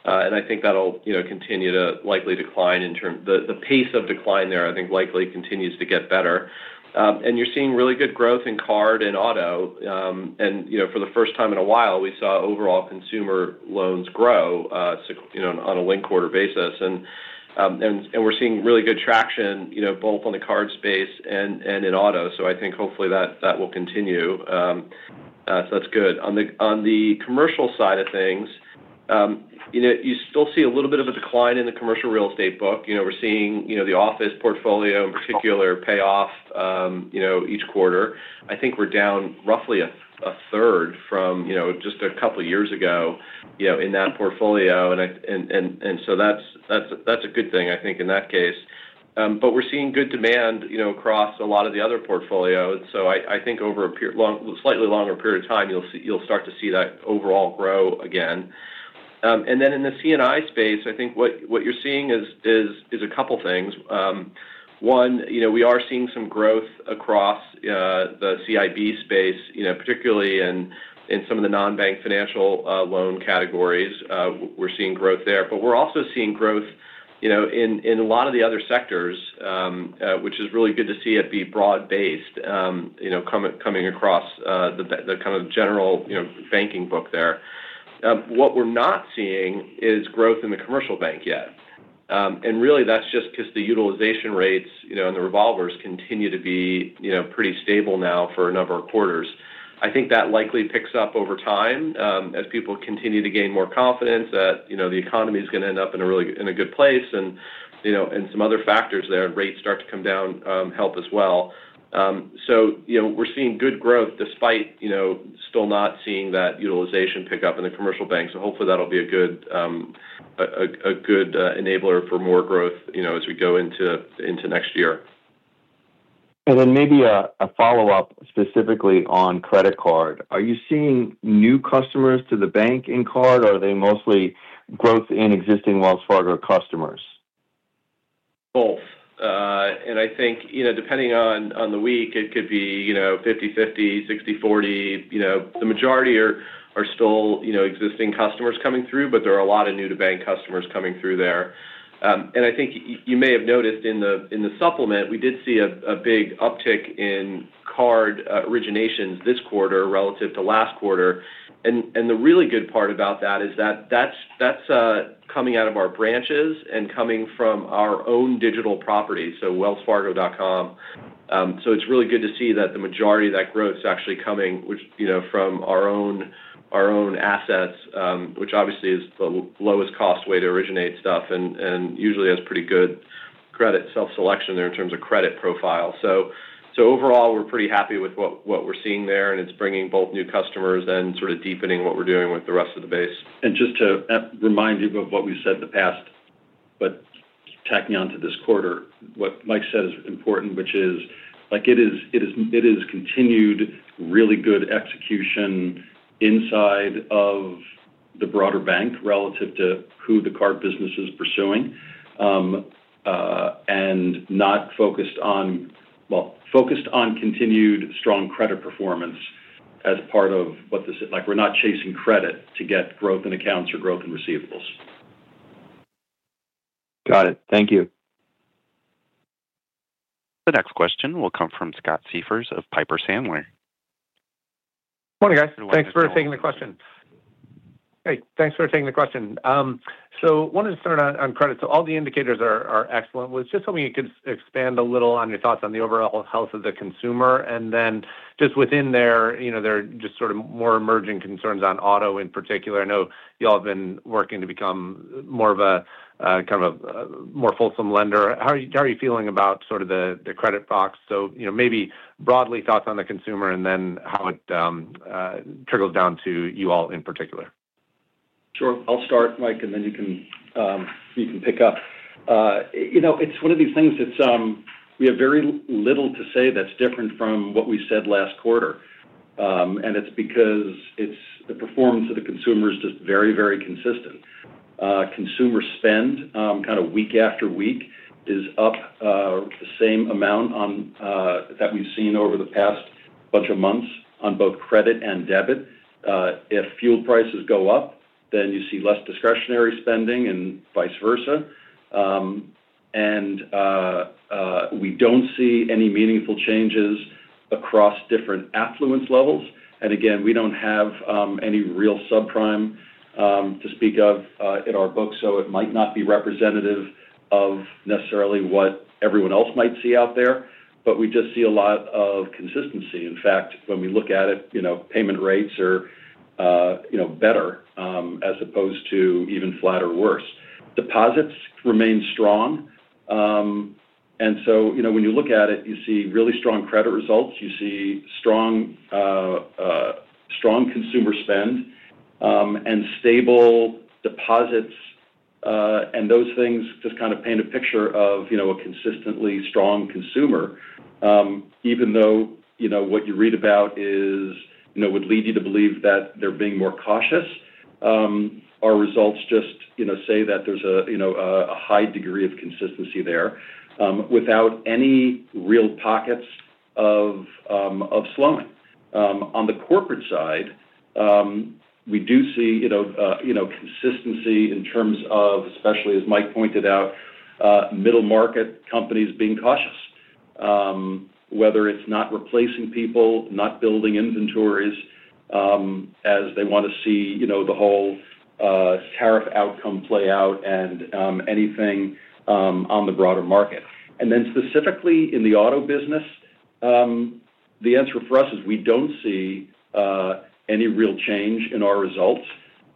I think that'll continue to likely decline in terms of the pace of decline there. I think likely continues to get better, and you're seeing really good growth in card and auto. For the first time in a while, we saw overall consumer loans grow on a linked quarter basis, and we're seeing really good traction both on the card space and in auto. I think hopefully that will continue. That's good. On the commercial side of things, you still see a little bit of a decline in the commercial real estate book. We're seeing the office portfolio in particular pay off each quarter. I think we're down roughly a third from just a couple of years ago in that portfolio, and that's a good thing in that case. We're seeing good demand across a lot of the other portfolios. I think over a year, slightly longer period of time, you'll start to see that overall grow again. In the CNI space, I think what you're seeing is a couple things. One, we are seeing some growth across the CIB space, particularly in some of the non-bank financial loan categories. We're seeing growth there, but we're also seeing growth in a lot of the other sectors, which is really good to see it be broad based, coming across the kind of general banking book there. What we're not seeing is growth in the commercial bank yet, and really that's just because the utilization rates and the revolvers continue to be pretty stable now for a number of quarters. I think that likely picks up over time as people continue to gain more confidence that the economy is going to end up in a good place and some other factors there. Rates start to come down, help as well. We're seeing good growth despite still not seeing that utilization pick up in the commercial bank. Hopefully that'll be a good enabler for more growth as we go into next year And then maybe a follow-up specifically on credit card. Are you seeing new customers to the bank and card or are they mostly growth in existing Wells Fargo customers? Both, and I think, depending on the week, it could be 50/50, 60/40. The majority are still existing customers coming through, but there are a lot of new-to-bank customers coming through there. I think you may have noticed in the supplement we did see a big uptick in card originations this quarter relative to last quarter. The really good part about that is that it's coming out of our branches and coming from our own digital property, so wells fargo.com. It's really good to see that the majority of that growth is actually coming from our own assets, which obviously is the lowest cost way to originate stuff and usually has pretty good credit self-selection there in terms of credit profile. Overall, we're pretty happy with what we're seeing there, and it's bringing both new customers and sort of deepening what we're doing with the rest of the base. Just to remind you of what we said in the past, tacking on to this quarter what Mike said is important, which is it is continued really good execution inside of the broader bank relative to who the card business is pursuing and not focused on. Focused on continued strong credit performance as part of this, we're not chasing credit to get growth in accounts or growth in receivables. Got it. Thank you. The next question will come from Scott Siefers of Piper Sandler. Morning guys. Thanks for taking the question. Wanted to start on credit. All the indicators are excellent. Was just wondering if you could expand a little on your thoughts on the overall health of the consumer. Within that, there are more emerging concerns on auto in particular. I know you all have been working to become more of a fulsome lender. How are you feeling about the credit box? Maybe broadly, thoughts on the consumer and then how it trickles down to you all in particular. Sure. I'll start, Mike, and then you can pick up. It's one of these things that we have very little to say that's different from what we said last quarter, and it's because it's the performance of the consumers. Just very, very consistent consumer spend, kind of week after week, is up the same amount that we've seen over the past bunch of months on both credit and debit. If fuel prices go up, you see less discretionary spending, and vice versa. We don't see any meaningful changes across different affluence levels. We don't have any real subprime to speak of in our book, so it might not be representative of necessarily what everyone else might see out there, but we just see a lot of consistency. In fact, when we look at it, payment rates are better as opposed to even flat or worse. Deposits remain strong, and when you look at it, you see really strong credit results. See strong consumer spend and stable deposits. Those things just kind of paint a picture of a consistently strong consumer. Even though what you read about would lead you to believe that they're being more cautious, our results just say that there's a high degree of consistency there without any real pockets of slowing. On the corporate side, we do see consistency in terms of, especially as Mike pointed out, middle market companies being cautious, whether it's not replacing people or not building inventories, as they want to see the whole tariff outcome play out and anything on the broader market. Specifically in the auto business, the answer for us is we don't see any real change in our results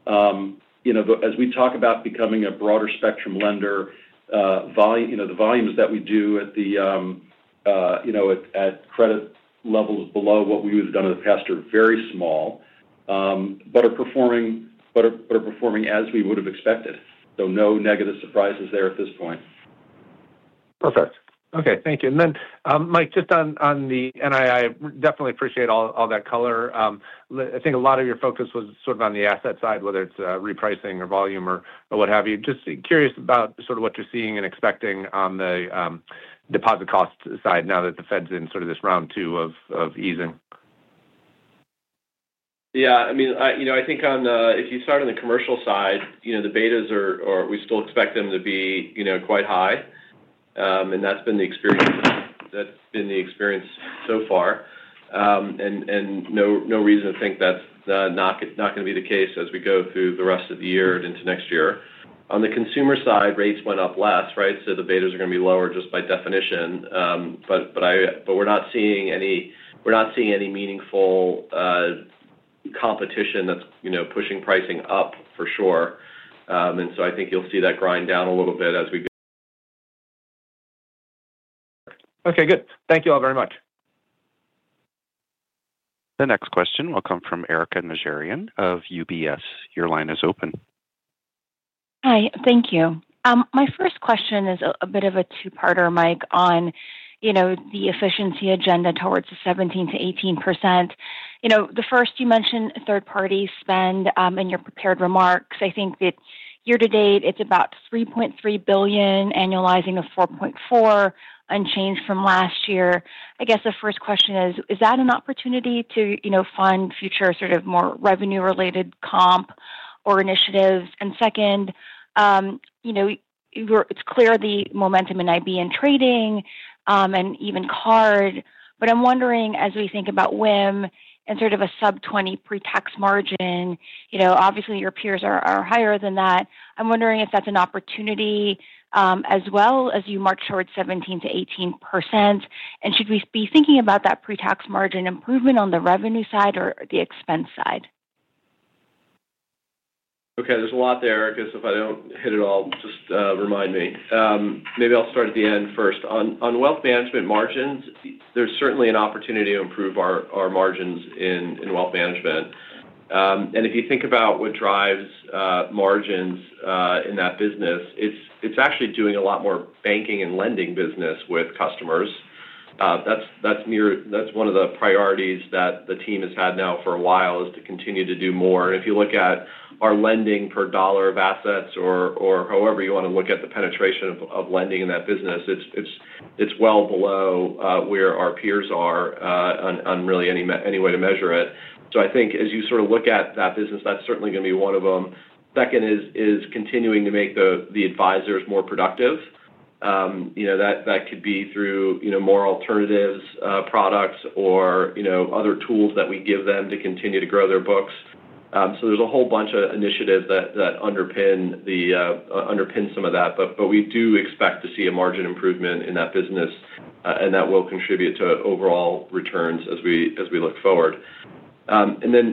as we talk about becoming a broader spectrum lender. The volumes that we do at the credit levels below what we've done in the past are very small but are performing as we would have expected, no negative surprises there at this point. Perfect. Okay, thank you. And then Mike, just on the NII, definitely appreciate all that color. I think a lot of your focus was sort of on the asset side, whether it's repricing or volume or what have you. Just curious about what you're seeing and expecting on the deposit cost side now that the Fed's in this round two of easing. Yeah, I mean, if you start on the commercial side, the betas are, we still expect them to be quite high. That's been the experience so far and no reason to think that's not going to be the case as we go through the rest of the year and into next year. On the consumer side, rates went up less. Right. The betas are going to be lower just by definition. We're not seeing any meaningful competition that's pushing pricing up for sure. I think you'll see that grind down a little bit as we go. Okay, good. Thank you all very much. The next question will come from Erika Najarian of UBS. Your line is open. Hi. Thank you. My first question is a bit of a two parter, Mike, on the efficiency agenda towards the 17%-18%. You mentioned third-party spend in your prepared remarks. I think that year to date it's about $3.3 billion, annualizing at $4.4 billion, unchanged from last year. I guess the first question is, is that an opportunity to fund future, more revenue-related comp or initiatives? Second, it's clear the momentum in investment banking and trading and even card. I'm wondering, as we think about WIM and a sub-20% pretax margin, obviously your peers are higher than that. I'm wondering if that's an opportunity as you march towards 17%-18%, and should we be thinking about that pretax margin improvement on the revenue side or the expenses? Okay, there's a lot there. If I don't hit it all, just remind me. Maybe I'll start at the end. First, on wealth management margins, there's certainly an opportunity to improve our margins in wealth management, and if you think about what drives margins in that business, it's actually doing a lot more banking and lending business with customers. That's one of the priorities that the team has had now for a while, to continue to do more. If you look at our lending per dollar of assets, or however you want to look at the penetration of lending in that business, it's well below where our peers are on really any way to measure it. I think as you sort of look at that business, that's certainly going to be one of them. Second is continuing to make the advisors more productive. That could be through more alternatives, products, or other tools that we give them to continue to grow their books. There's a whole bunch of initiatives that underpin some of that. We do expect to see a margin improvement in that business, and that will contribute to overall returns as we look forward.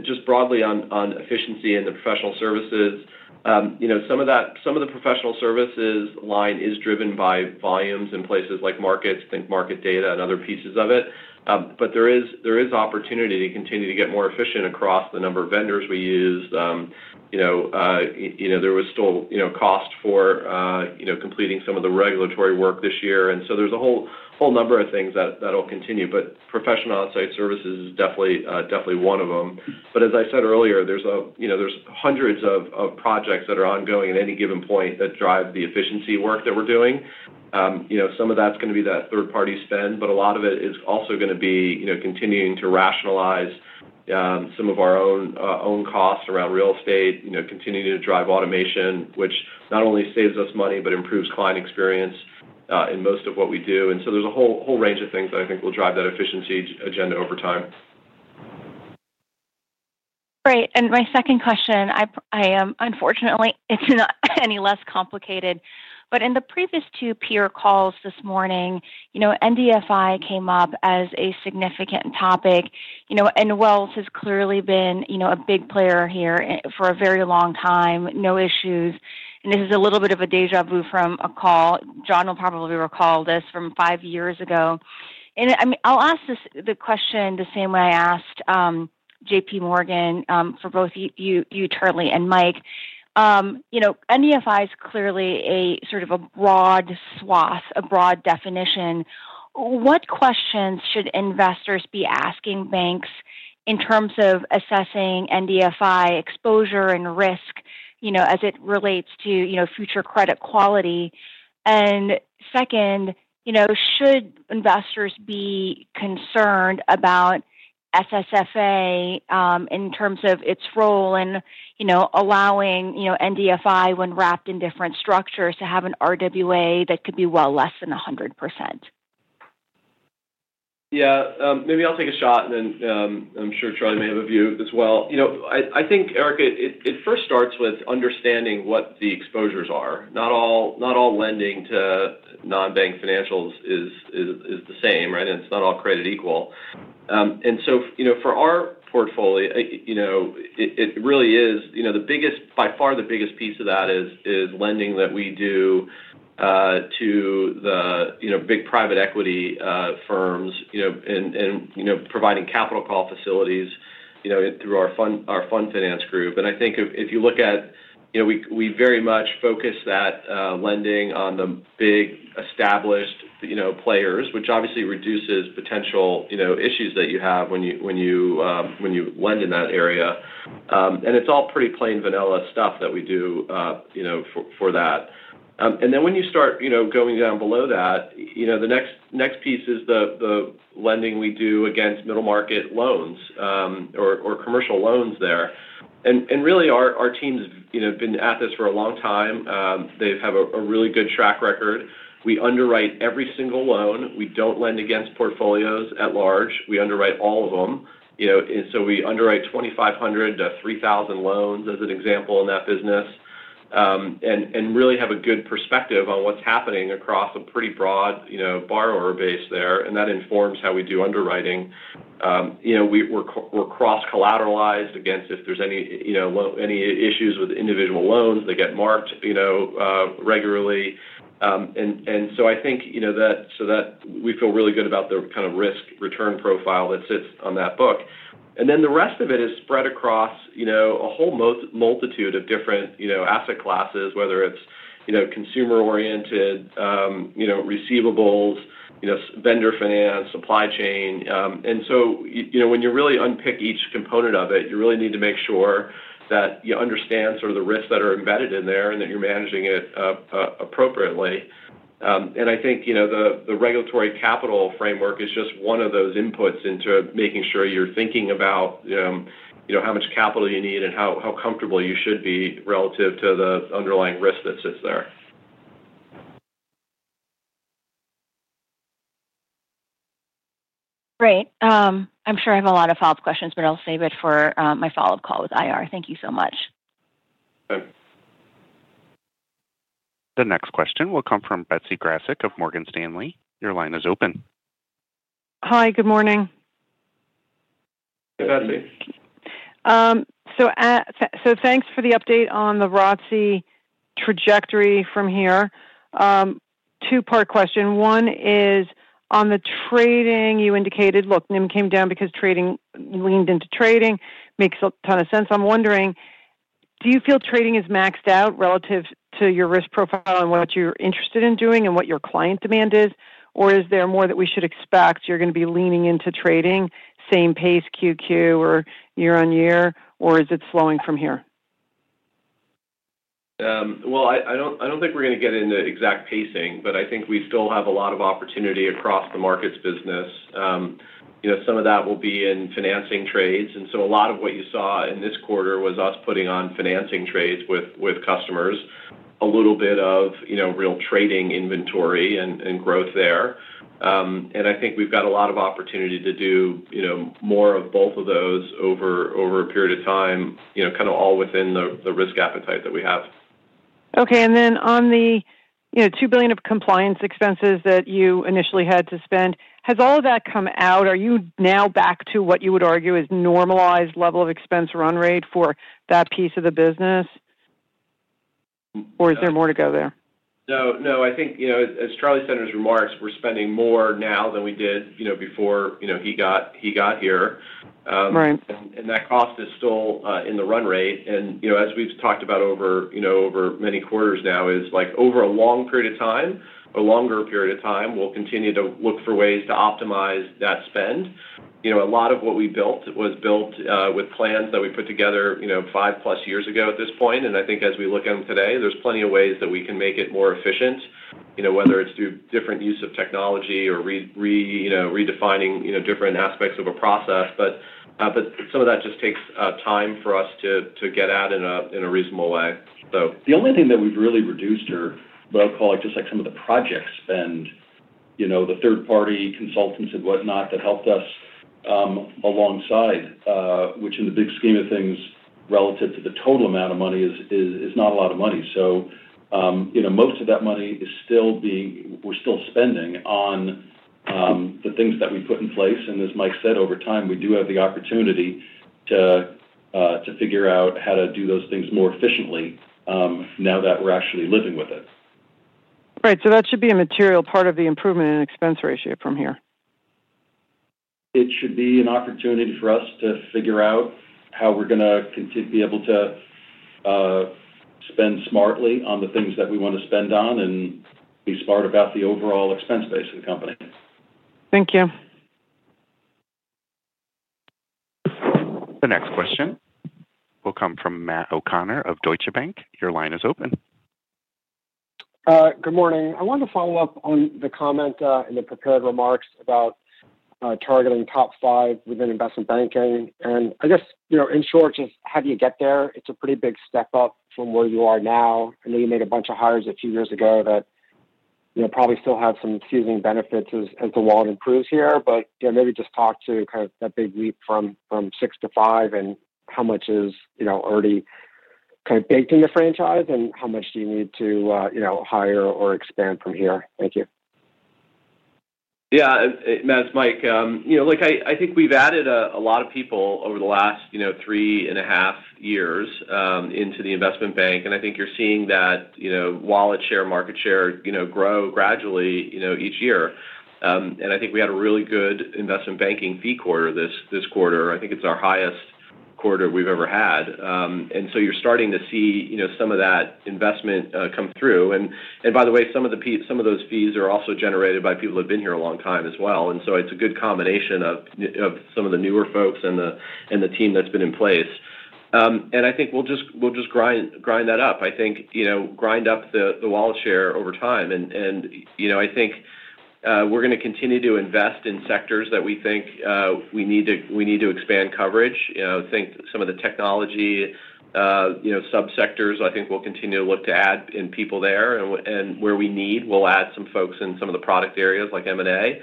Just broadly on efficiency in the professional services, some of the professional services line is driven by volumes in places like markets. Think market data and other pieces of it. There is opportunity to continue to get more efficient across the number of vendors we use. There was still cost for completing some of the regulatory work this year. There's a whole number of things that will continue, but professional onsite services is definitely one of them. As I said earlier, there are hundreds of projects that are ongoing at any given point that drive the efficiency work that we're doing. Some of that's going to be that third-party spend, but a lot of it is also going to be continuing to rationalize some of our own costs around real estate, continuing to drive automation, which not only saves us money but improves client experience in most of what we do. There's a whole range of things that I think drive that efficiency agenda over time. Great. My second question, unfortunately it's not any less complicated, but in the previous two peer calls this morning, NDFI came up as a significant topic. Wells Fargo has clearly been a big player here for a very long time. No issues. This is a little bit of a deja vu from a call. John will probably recall this from five years ago. I'll ask the question when I asked JPMorgan, for both you, Charlie and Mike, NDFI is clearly a sort of a broad swath, a broad definition. What questions should investors be asking banks in terms of assessing NDFI exposure and risk as it relates to future credit quality? Second, should investors be concerned about SSFA in terms of its role in allowing NDFI, when wrapped in different structures, to have an RWA that could be well less than 100%? Yeah, maybe I'll take a shot. I'm sure Charlie may have a view as well. I think, Eric, it first starts with understanding what the exposures are. Not all lending to non-bank financials is the same. It's not all created equal. For our portfolio, by far the biggest piece of that is lending that we do to the big private equity firms and providing capital call facilities through our fund finance group. I think if you look at it, we very much focus that lending on the big established players, which obviously reduces potential issues that you have when you lend in that area. It's all pretty plain vanilla stuff that we do for that. When you start going down below that, the next piece is the lending we do against middle market loans or commercial loans there. Our team's been at this for a long time. They have a really good track record. We underwrite every single loan. We don't lend against portfolios at large, we underwrite all of them. We underwrite 2,500-3,000 loans as an example in that business and really have a good perspective on what's happening across a pretty broad borrower base there. That informs how we do underwriting. We're cross-collateralized against if there's any issues with individual loans that get marked regularly. I think we feel really good about the kind of risk-return profile that sits on that book. The rest of it is spread across a whole multitude of different asset classes, whether it's consumer-oriented receivables, vendor finance, supply chain. When you really unpick each component of it, you really need to make sure that you understand the risks that are embedded in there and that you're managing it appropriately. I think the regulatory capital framework is just one of those inputs into making sure you're thinking about how much capital you need and how comfortable you should be relative to the underlying risk that sits there. Great. I'm sure I have a lot of follow-up questions, but I'll save it for my follow-up call with IR. Thank you so much. The next question will come from Betsy Graseck of Morgan Stanley. Your line is open. Hi, good morning. Thanks for the update on the ROTCE trajectory from here. Two-part question. One is on the trading you indicated. Look, net interest income came down because trading leaned. Into trading makes a ton of sense. I'm wondering, do you feel trading is maxed out relative to your risk profile and what you're interested in doing and what your client demand is, or is there more that we should expect? You're going to be leaning into trading same pace QQ or year-on-year. Is it slowing from here? I don't think we're going to get into exact pacing, but I think we still have a lot of opportunity across the markets business. Some of that will be in financing trades. A lot of what you saw in this quarter was us putting on financing trades with customers, a little bit of real trading, inventory and growth there. I think we've got a lot of opportunity to do more of both of those over a period of time, all within the risk appetite that we have. Okay. On the $2 billion of compliance expenses that you initially had to spend, has all of that come out? Are you now back to what you would argue is a normalized level of expense run rate for that piece of the business? Is there more to go there? I think, as Charlie said in his remarks, we're spending more now than we did before he got here. Right. That cost is still in the run rate, and as we've talked about over many quarters now, over a longer period of time, we'll continue to look for ways to optimize that spend. A lot of what we built was built with plans that we put together five plus years ago at this point. I think as we look at them today, there's plenty of ways that we can make it more efficient, whether it's through different use of technology or redefining different aspects of a process. Some of that just takes time for us to get at in a reasonable way. The only thing that we've really reduced are what I'll call just like some of the project spend, you know, the third-party consultants and whatnot that helped us alongside, which in the big scheme of things relative to the total amount of money is not a lot of money. Most of that money is still being, we're still spending on the things that we put in place. As Mike said, over time we do have the opportunity to figure out how to do those things more efficiently now that we're actually living with it. Right. That should be a material part of the improvement in expense ratio from here, It should be an opportunity for us to figure out how we're going to continue to be able to spend smartly on the things that we want to spend on and be smart about the overall expense base of the company. Thank you. The next question will come from Matt O'Connor of Deutsche Bank. Your line is open. Good morning. I wanted to follow up on the comment in the prepared remarks about targeting top five within investment banking. I guess in short, just how do you get there? It's a pretty big step up from where you are now. I know you made a bunch of hires a few years ago that probably still have some seasoning benefits as the wallet improves here, but maybe just talk to that big leap from 6 to 5 and how much is already baked in the franchise and how much do you need to hire or expand from here? Thank you. Yeah, Matt, it's Mike. I think we've added a lot of people over the last three and a half years into the investment bank, and I think you're seeing that wallet share, market share grow gradually each year. I think we had a really good investment banking fee quarter this quarter. I think it's our highest quarter we've ever had. You're starting to see some of that investment come through. By the way, some of those fees are also generated by people who've been here a long time as well. It's a good combination of some of the newer folks and the team that's been in place, and I think we'll just grind that up, grind up the wallet share over time. You know, I think we're going to continue to invest in sectors that we think we need to expand coverage. I think some of the technology subsectors. I think we'll continue to look to add in people there, and where we need, we'll add some folks in some of the product areas like M&A.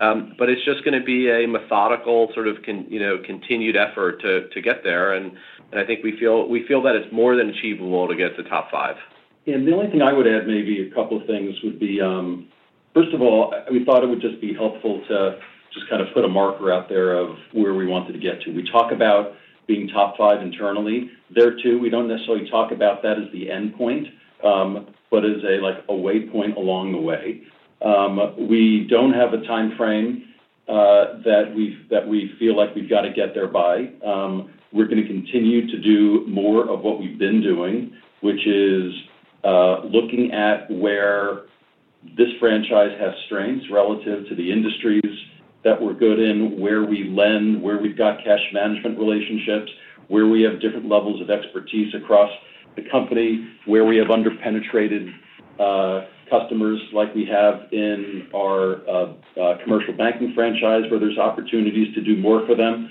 It's just going to be a methodical sort of continued effort to get there. I think we feel that it's more than achievable to get to top five. The only thing I would add, maybe a couple of things, would be first of all, we thought it would just be helpful to just kind of put a marker out there of where we wanted to get to. We talk about being top five internally there too. We do not necessarily talk about that as the end point but as a waypoint along the way. We do not have a time frame that we feel like we have got to get there by. We are going to continue to do more of what we have been doing, which is looking at where this franchise has strengths relative to the industries that we are good in, where we lend, where we have cash management relationships, where we have different levels of expertise across the company, where we have underpenetrated customers like we have in our commercial banking franchise, where there are opportunities to do more for them.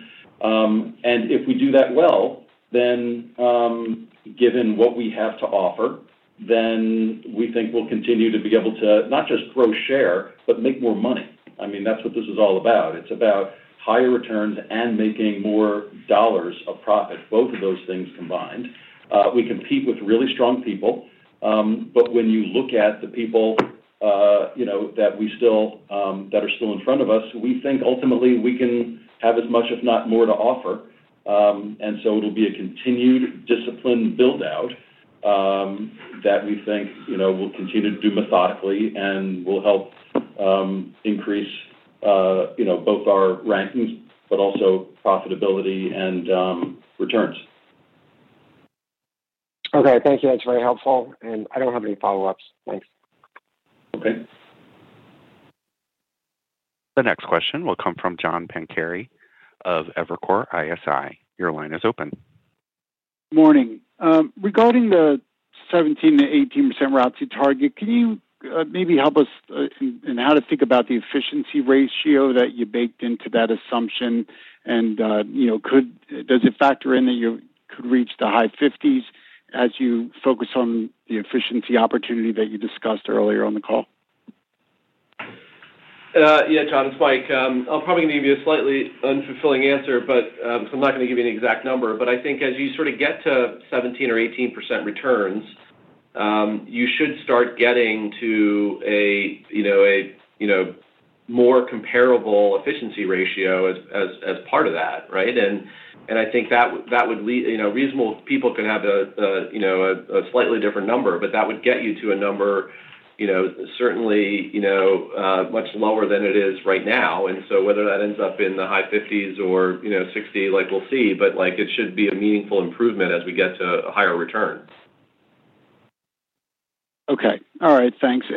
If we do that well, then given what we have to offer, we think we will continue to be able to not just grow share, but make more money. That is what this is all about. It is about higher returns and making more dollars of profit, both of those things combined. We compete with really strong people, but when you look at the people that are still in front of us. We think ultimately we can have as much, if not more, to offer. It will be a continued disciplined buildout that we think we'll continue to do methodically and will help increase both our rankings, but also profitability and returns. Okay, thank you. That's very helpful. I don't have any follow ups. Thanks. Okay. The next question will come from John Pancari of Evercore ISI. Your line is open. Morning. Regarding the 17%-18% ROTCE target, can you maybe help us in how to think about the efficiency ratio that you baked into that assumption? Does it factor in that you could reach the high 50s as you focus on the efficiency opportunity that you discussed earlier on the call? Yeah, John, it's Mike. I'll probably give you a slightly unfulfilling answer, but I'm not going to give you an exact number. I think as you sort of get to 17%-18% returns, you should start getting to a more comparable efficiency ratio as part of that. I think that would lead reasonable people to have a slightly different number, but that would get you to a number certainly much lower than it is right now. Whether that ends up in the high 50s or 60, we'll see. It should be a meaningful improvement as we get to a higher return. All right, thanks.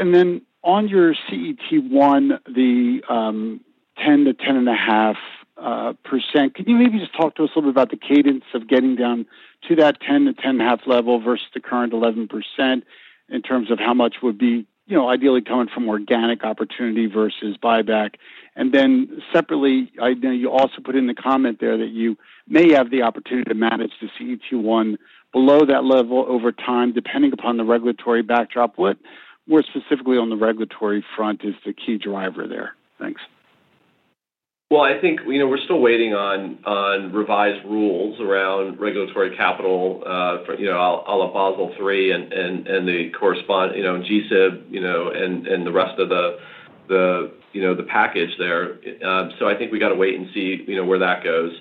On your CET1, the 10%-10.5%, could you maybe just talk. Tell us a little bit about the cadence of getting down to that 10%-10.5% level versus the current 11% in terms of how much would be, you know, ideally coming from organic opportunity versus buyback. I know you also put in the comment there that you may have the opportunity to manage the CET1 below that level over time depending upon the regulatory backdrop. What more specifically on the regulatory front is the key driver there? Thanks. I think, you know, we're still waiting on revised rules around regulatory capital Basel III and the corresponding, you know, G-SIB, you know, and the rest of the, you know, the package there. I think we got to wait and see, you know, where that goes.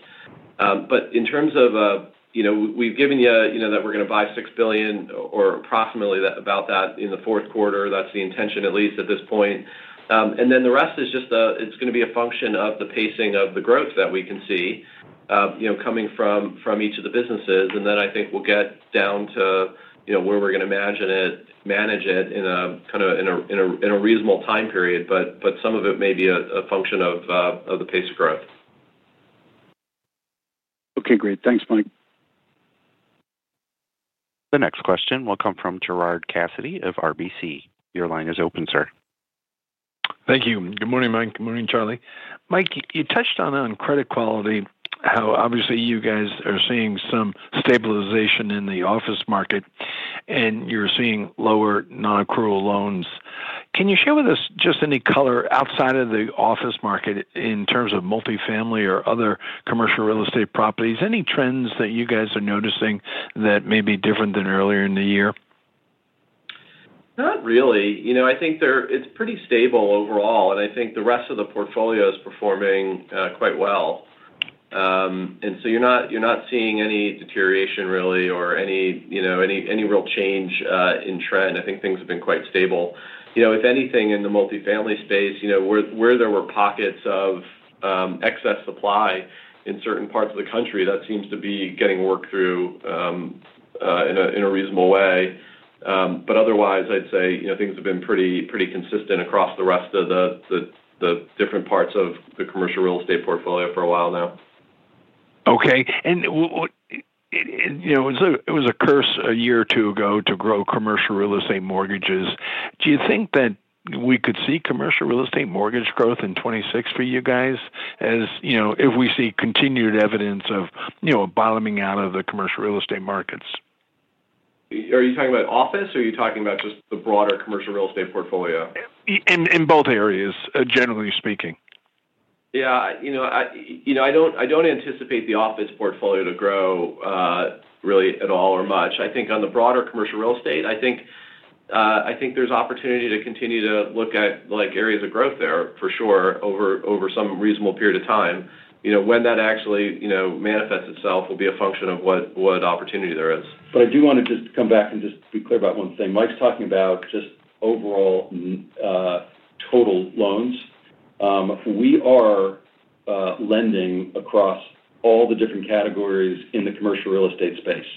In terms of, you know, we've given you that we're going to buy $6 billion or approximately about that in the fourth quarter. That's the intention at least at this point. The rest is just, it's going to be a function of the pacing of the growth that we can see, you know, coming from each of the businesses. I think we'll get down to, you know, where we're going to manage it in a kind of, in a reasonable time period. Some of it may be a function of the pace of growth. Okay, great. Thanks, Mike. The next question will come from Gerard Cassidy of RBC. Your line is open, sir. Thank you. Good morning, Mike. Good morning, Charlie. Mike, you touched on credit quality, how obviously you guys are seeing some stabilization in the office market and you're seeing lower nonaccrual loans. Can you share with us just any color outside of the office market in terms of multifamily or other commercial real estate properties? Any trends that you guys are noticing that may be different than earlier in the year? Not really. I think it's pretty stable overall, and I think the rest of the portfolio is performing quite well. You're not seeing any deterioration really or any real change in trend. I think things have been quite stable. If anything, in the multifamily space, where there were pockets of excess supply in certain parts of the country, that seems to be getting worked through in a reasonable way. Otherwise, I'd say things have been pretty consistent across the rest of the different parts of the commercial real estate portfolio for a while now. It was a curse a year or two ago to grow commercial real estate mortgages. Do you think that we could see commercial real estate mortgage growth in 2026 for you guys if we see continued evidence of bottoming out of the commercial real estate markets? Are you talking about office or are you talking about just the broader commercial real estate portfolio? In both areas, generally speaking? Yeah. I don't anticipate the office portfolio to grow really at all or much. I think on the broader commercial real estate, I think there's opportunity to continue to look at areas of growth there for sure over some reasonable period of time. When that actually manifests itself will be a function of what opportunity there is. I do want to just come back and just be clear about one thing. Mike's talking about just overall total loans. We are lending across all the different categories in the commercial real estate space,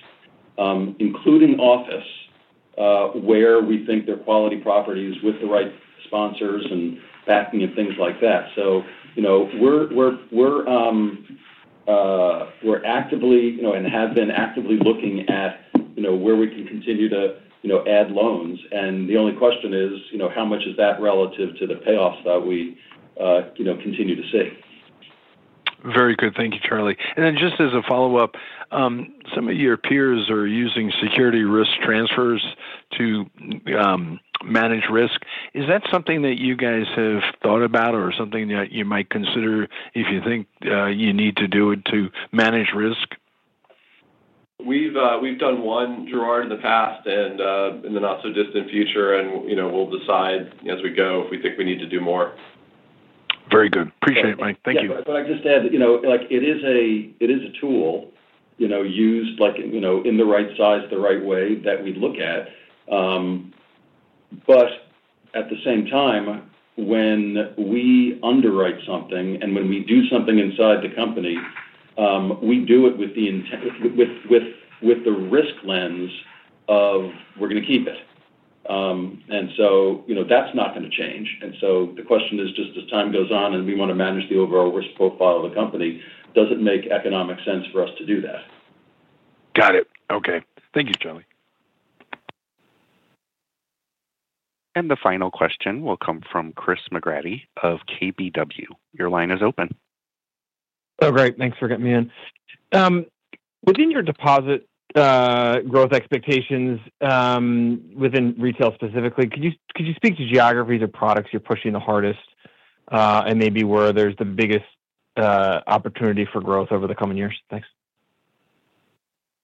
including office, where we think they're quality properties with the right sponsors and backing and things like that. We are actively and have been actively looking at where we can continue to add loans. The only question is how much is that relative to the payoffs that we continue to see. Very good, thank you, Charlie. Just as a follow up, some of your peers are using security risk transfers to manage risk. Is that something that you guys have thought about or something that you might consider if you think you need to do to manage risk? We've done one, Gerard, in the past and in the not so distant future, and you know, we'll decide as we go if we think we need to do more. Very good. Appreciate it, Mike. Thank you. I just add, you know, it is a tool used in the right size, the right way that we look at. At the same time, when we underwrite something and when we do something inside the company, we do it with the intent, with the risk lens of we're going to keep it. That's not going to change. The question is, just as time goes on and we want to manage the overall risk profile of the company, does it make economic sense for us to do that? Got it. Okay. Thank you, Charlie. The final question will come from Chris McGratty of KBW. Your line is open. Oh, great. Thanks for getting me in. Within your deposit growth expectations within retail specifically, could you speak to geographies or products you're pushing the hardest, and maybe where there's the biggest opportunity for growth over the coming years? Thanks.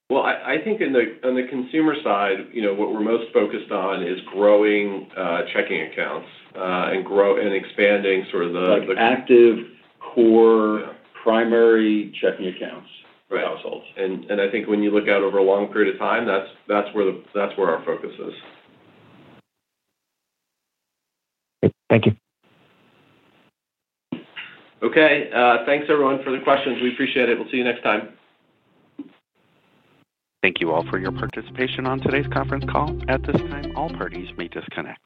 I think on the consumer side, what we're most focused on is growing checking accounts and expanding sort of the. Active core primary checking accounts for households. When you look out over a long period of time, that's where our focus is. Thank you. Okay, thanks everyone for the questions. We appreciate it. We'll see you next time. Thank you all for your participation on today's conference call. At this time, all parties may disconnect.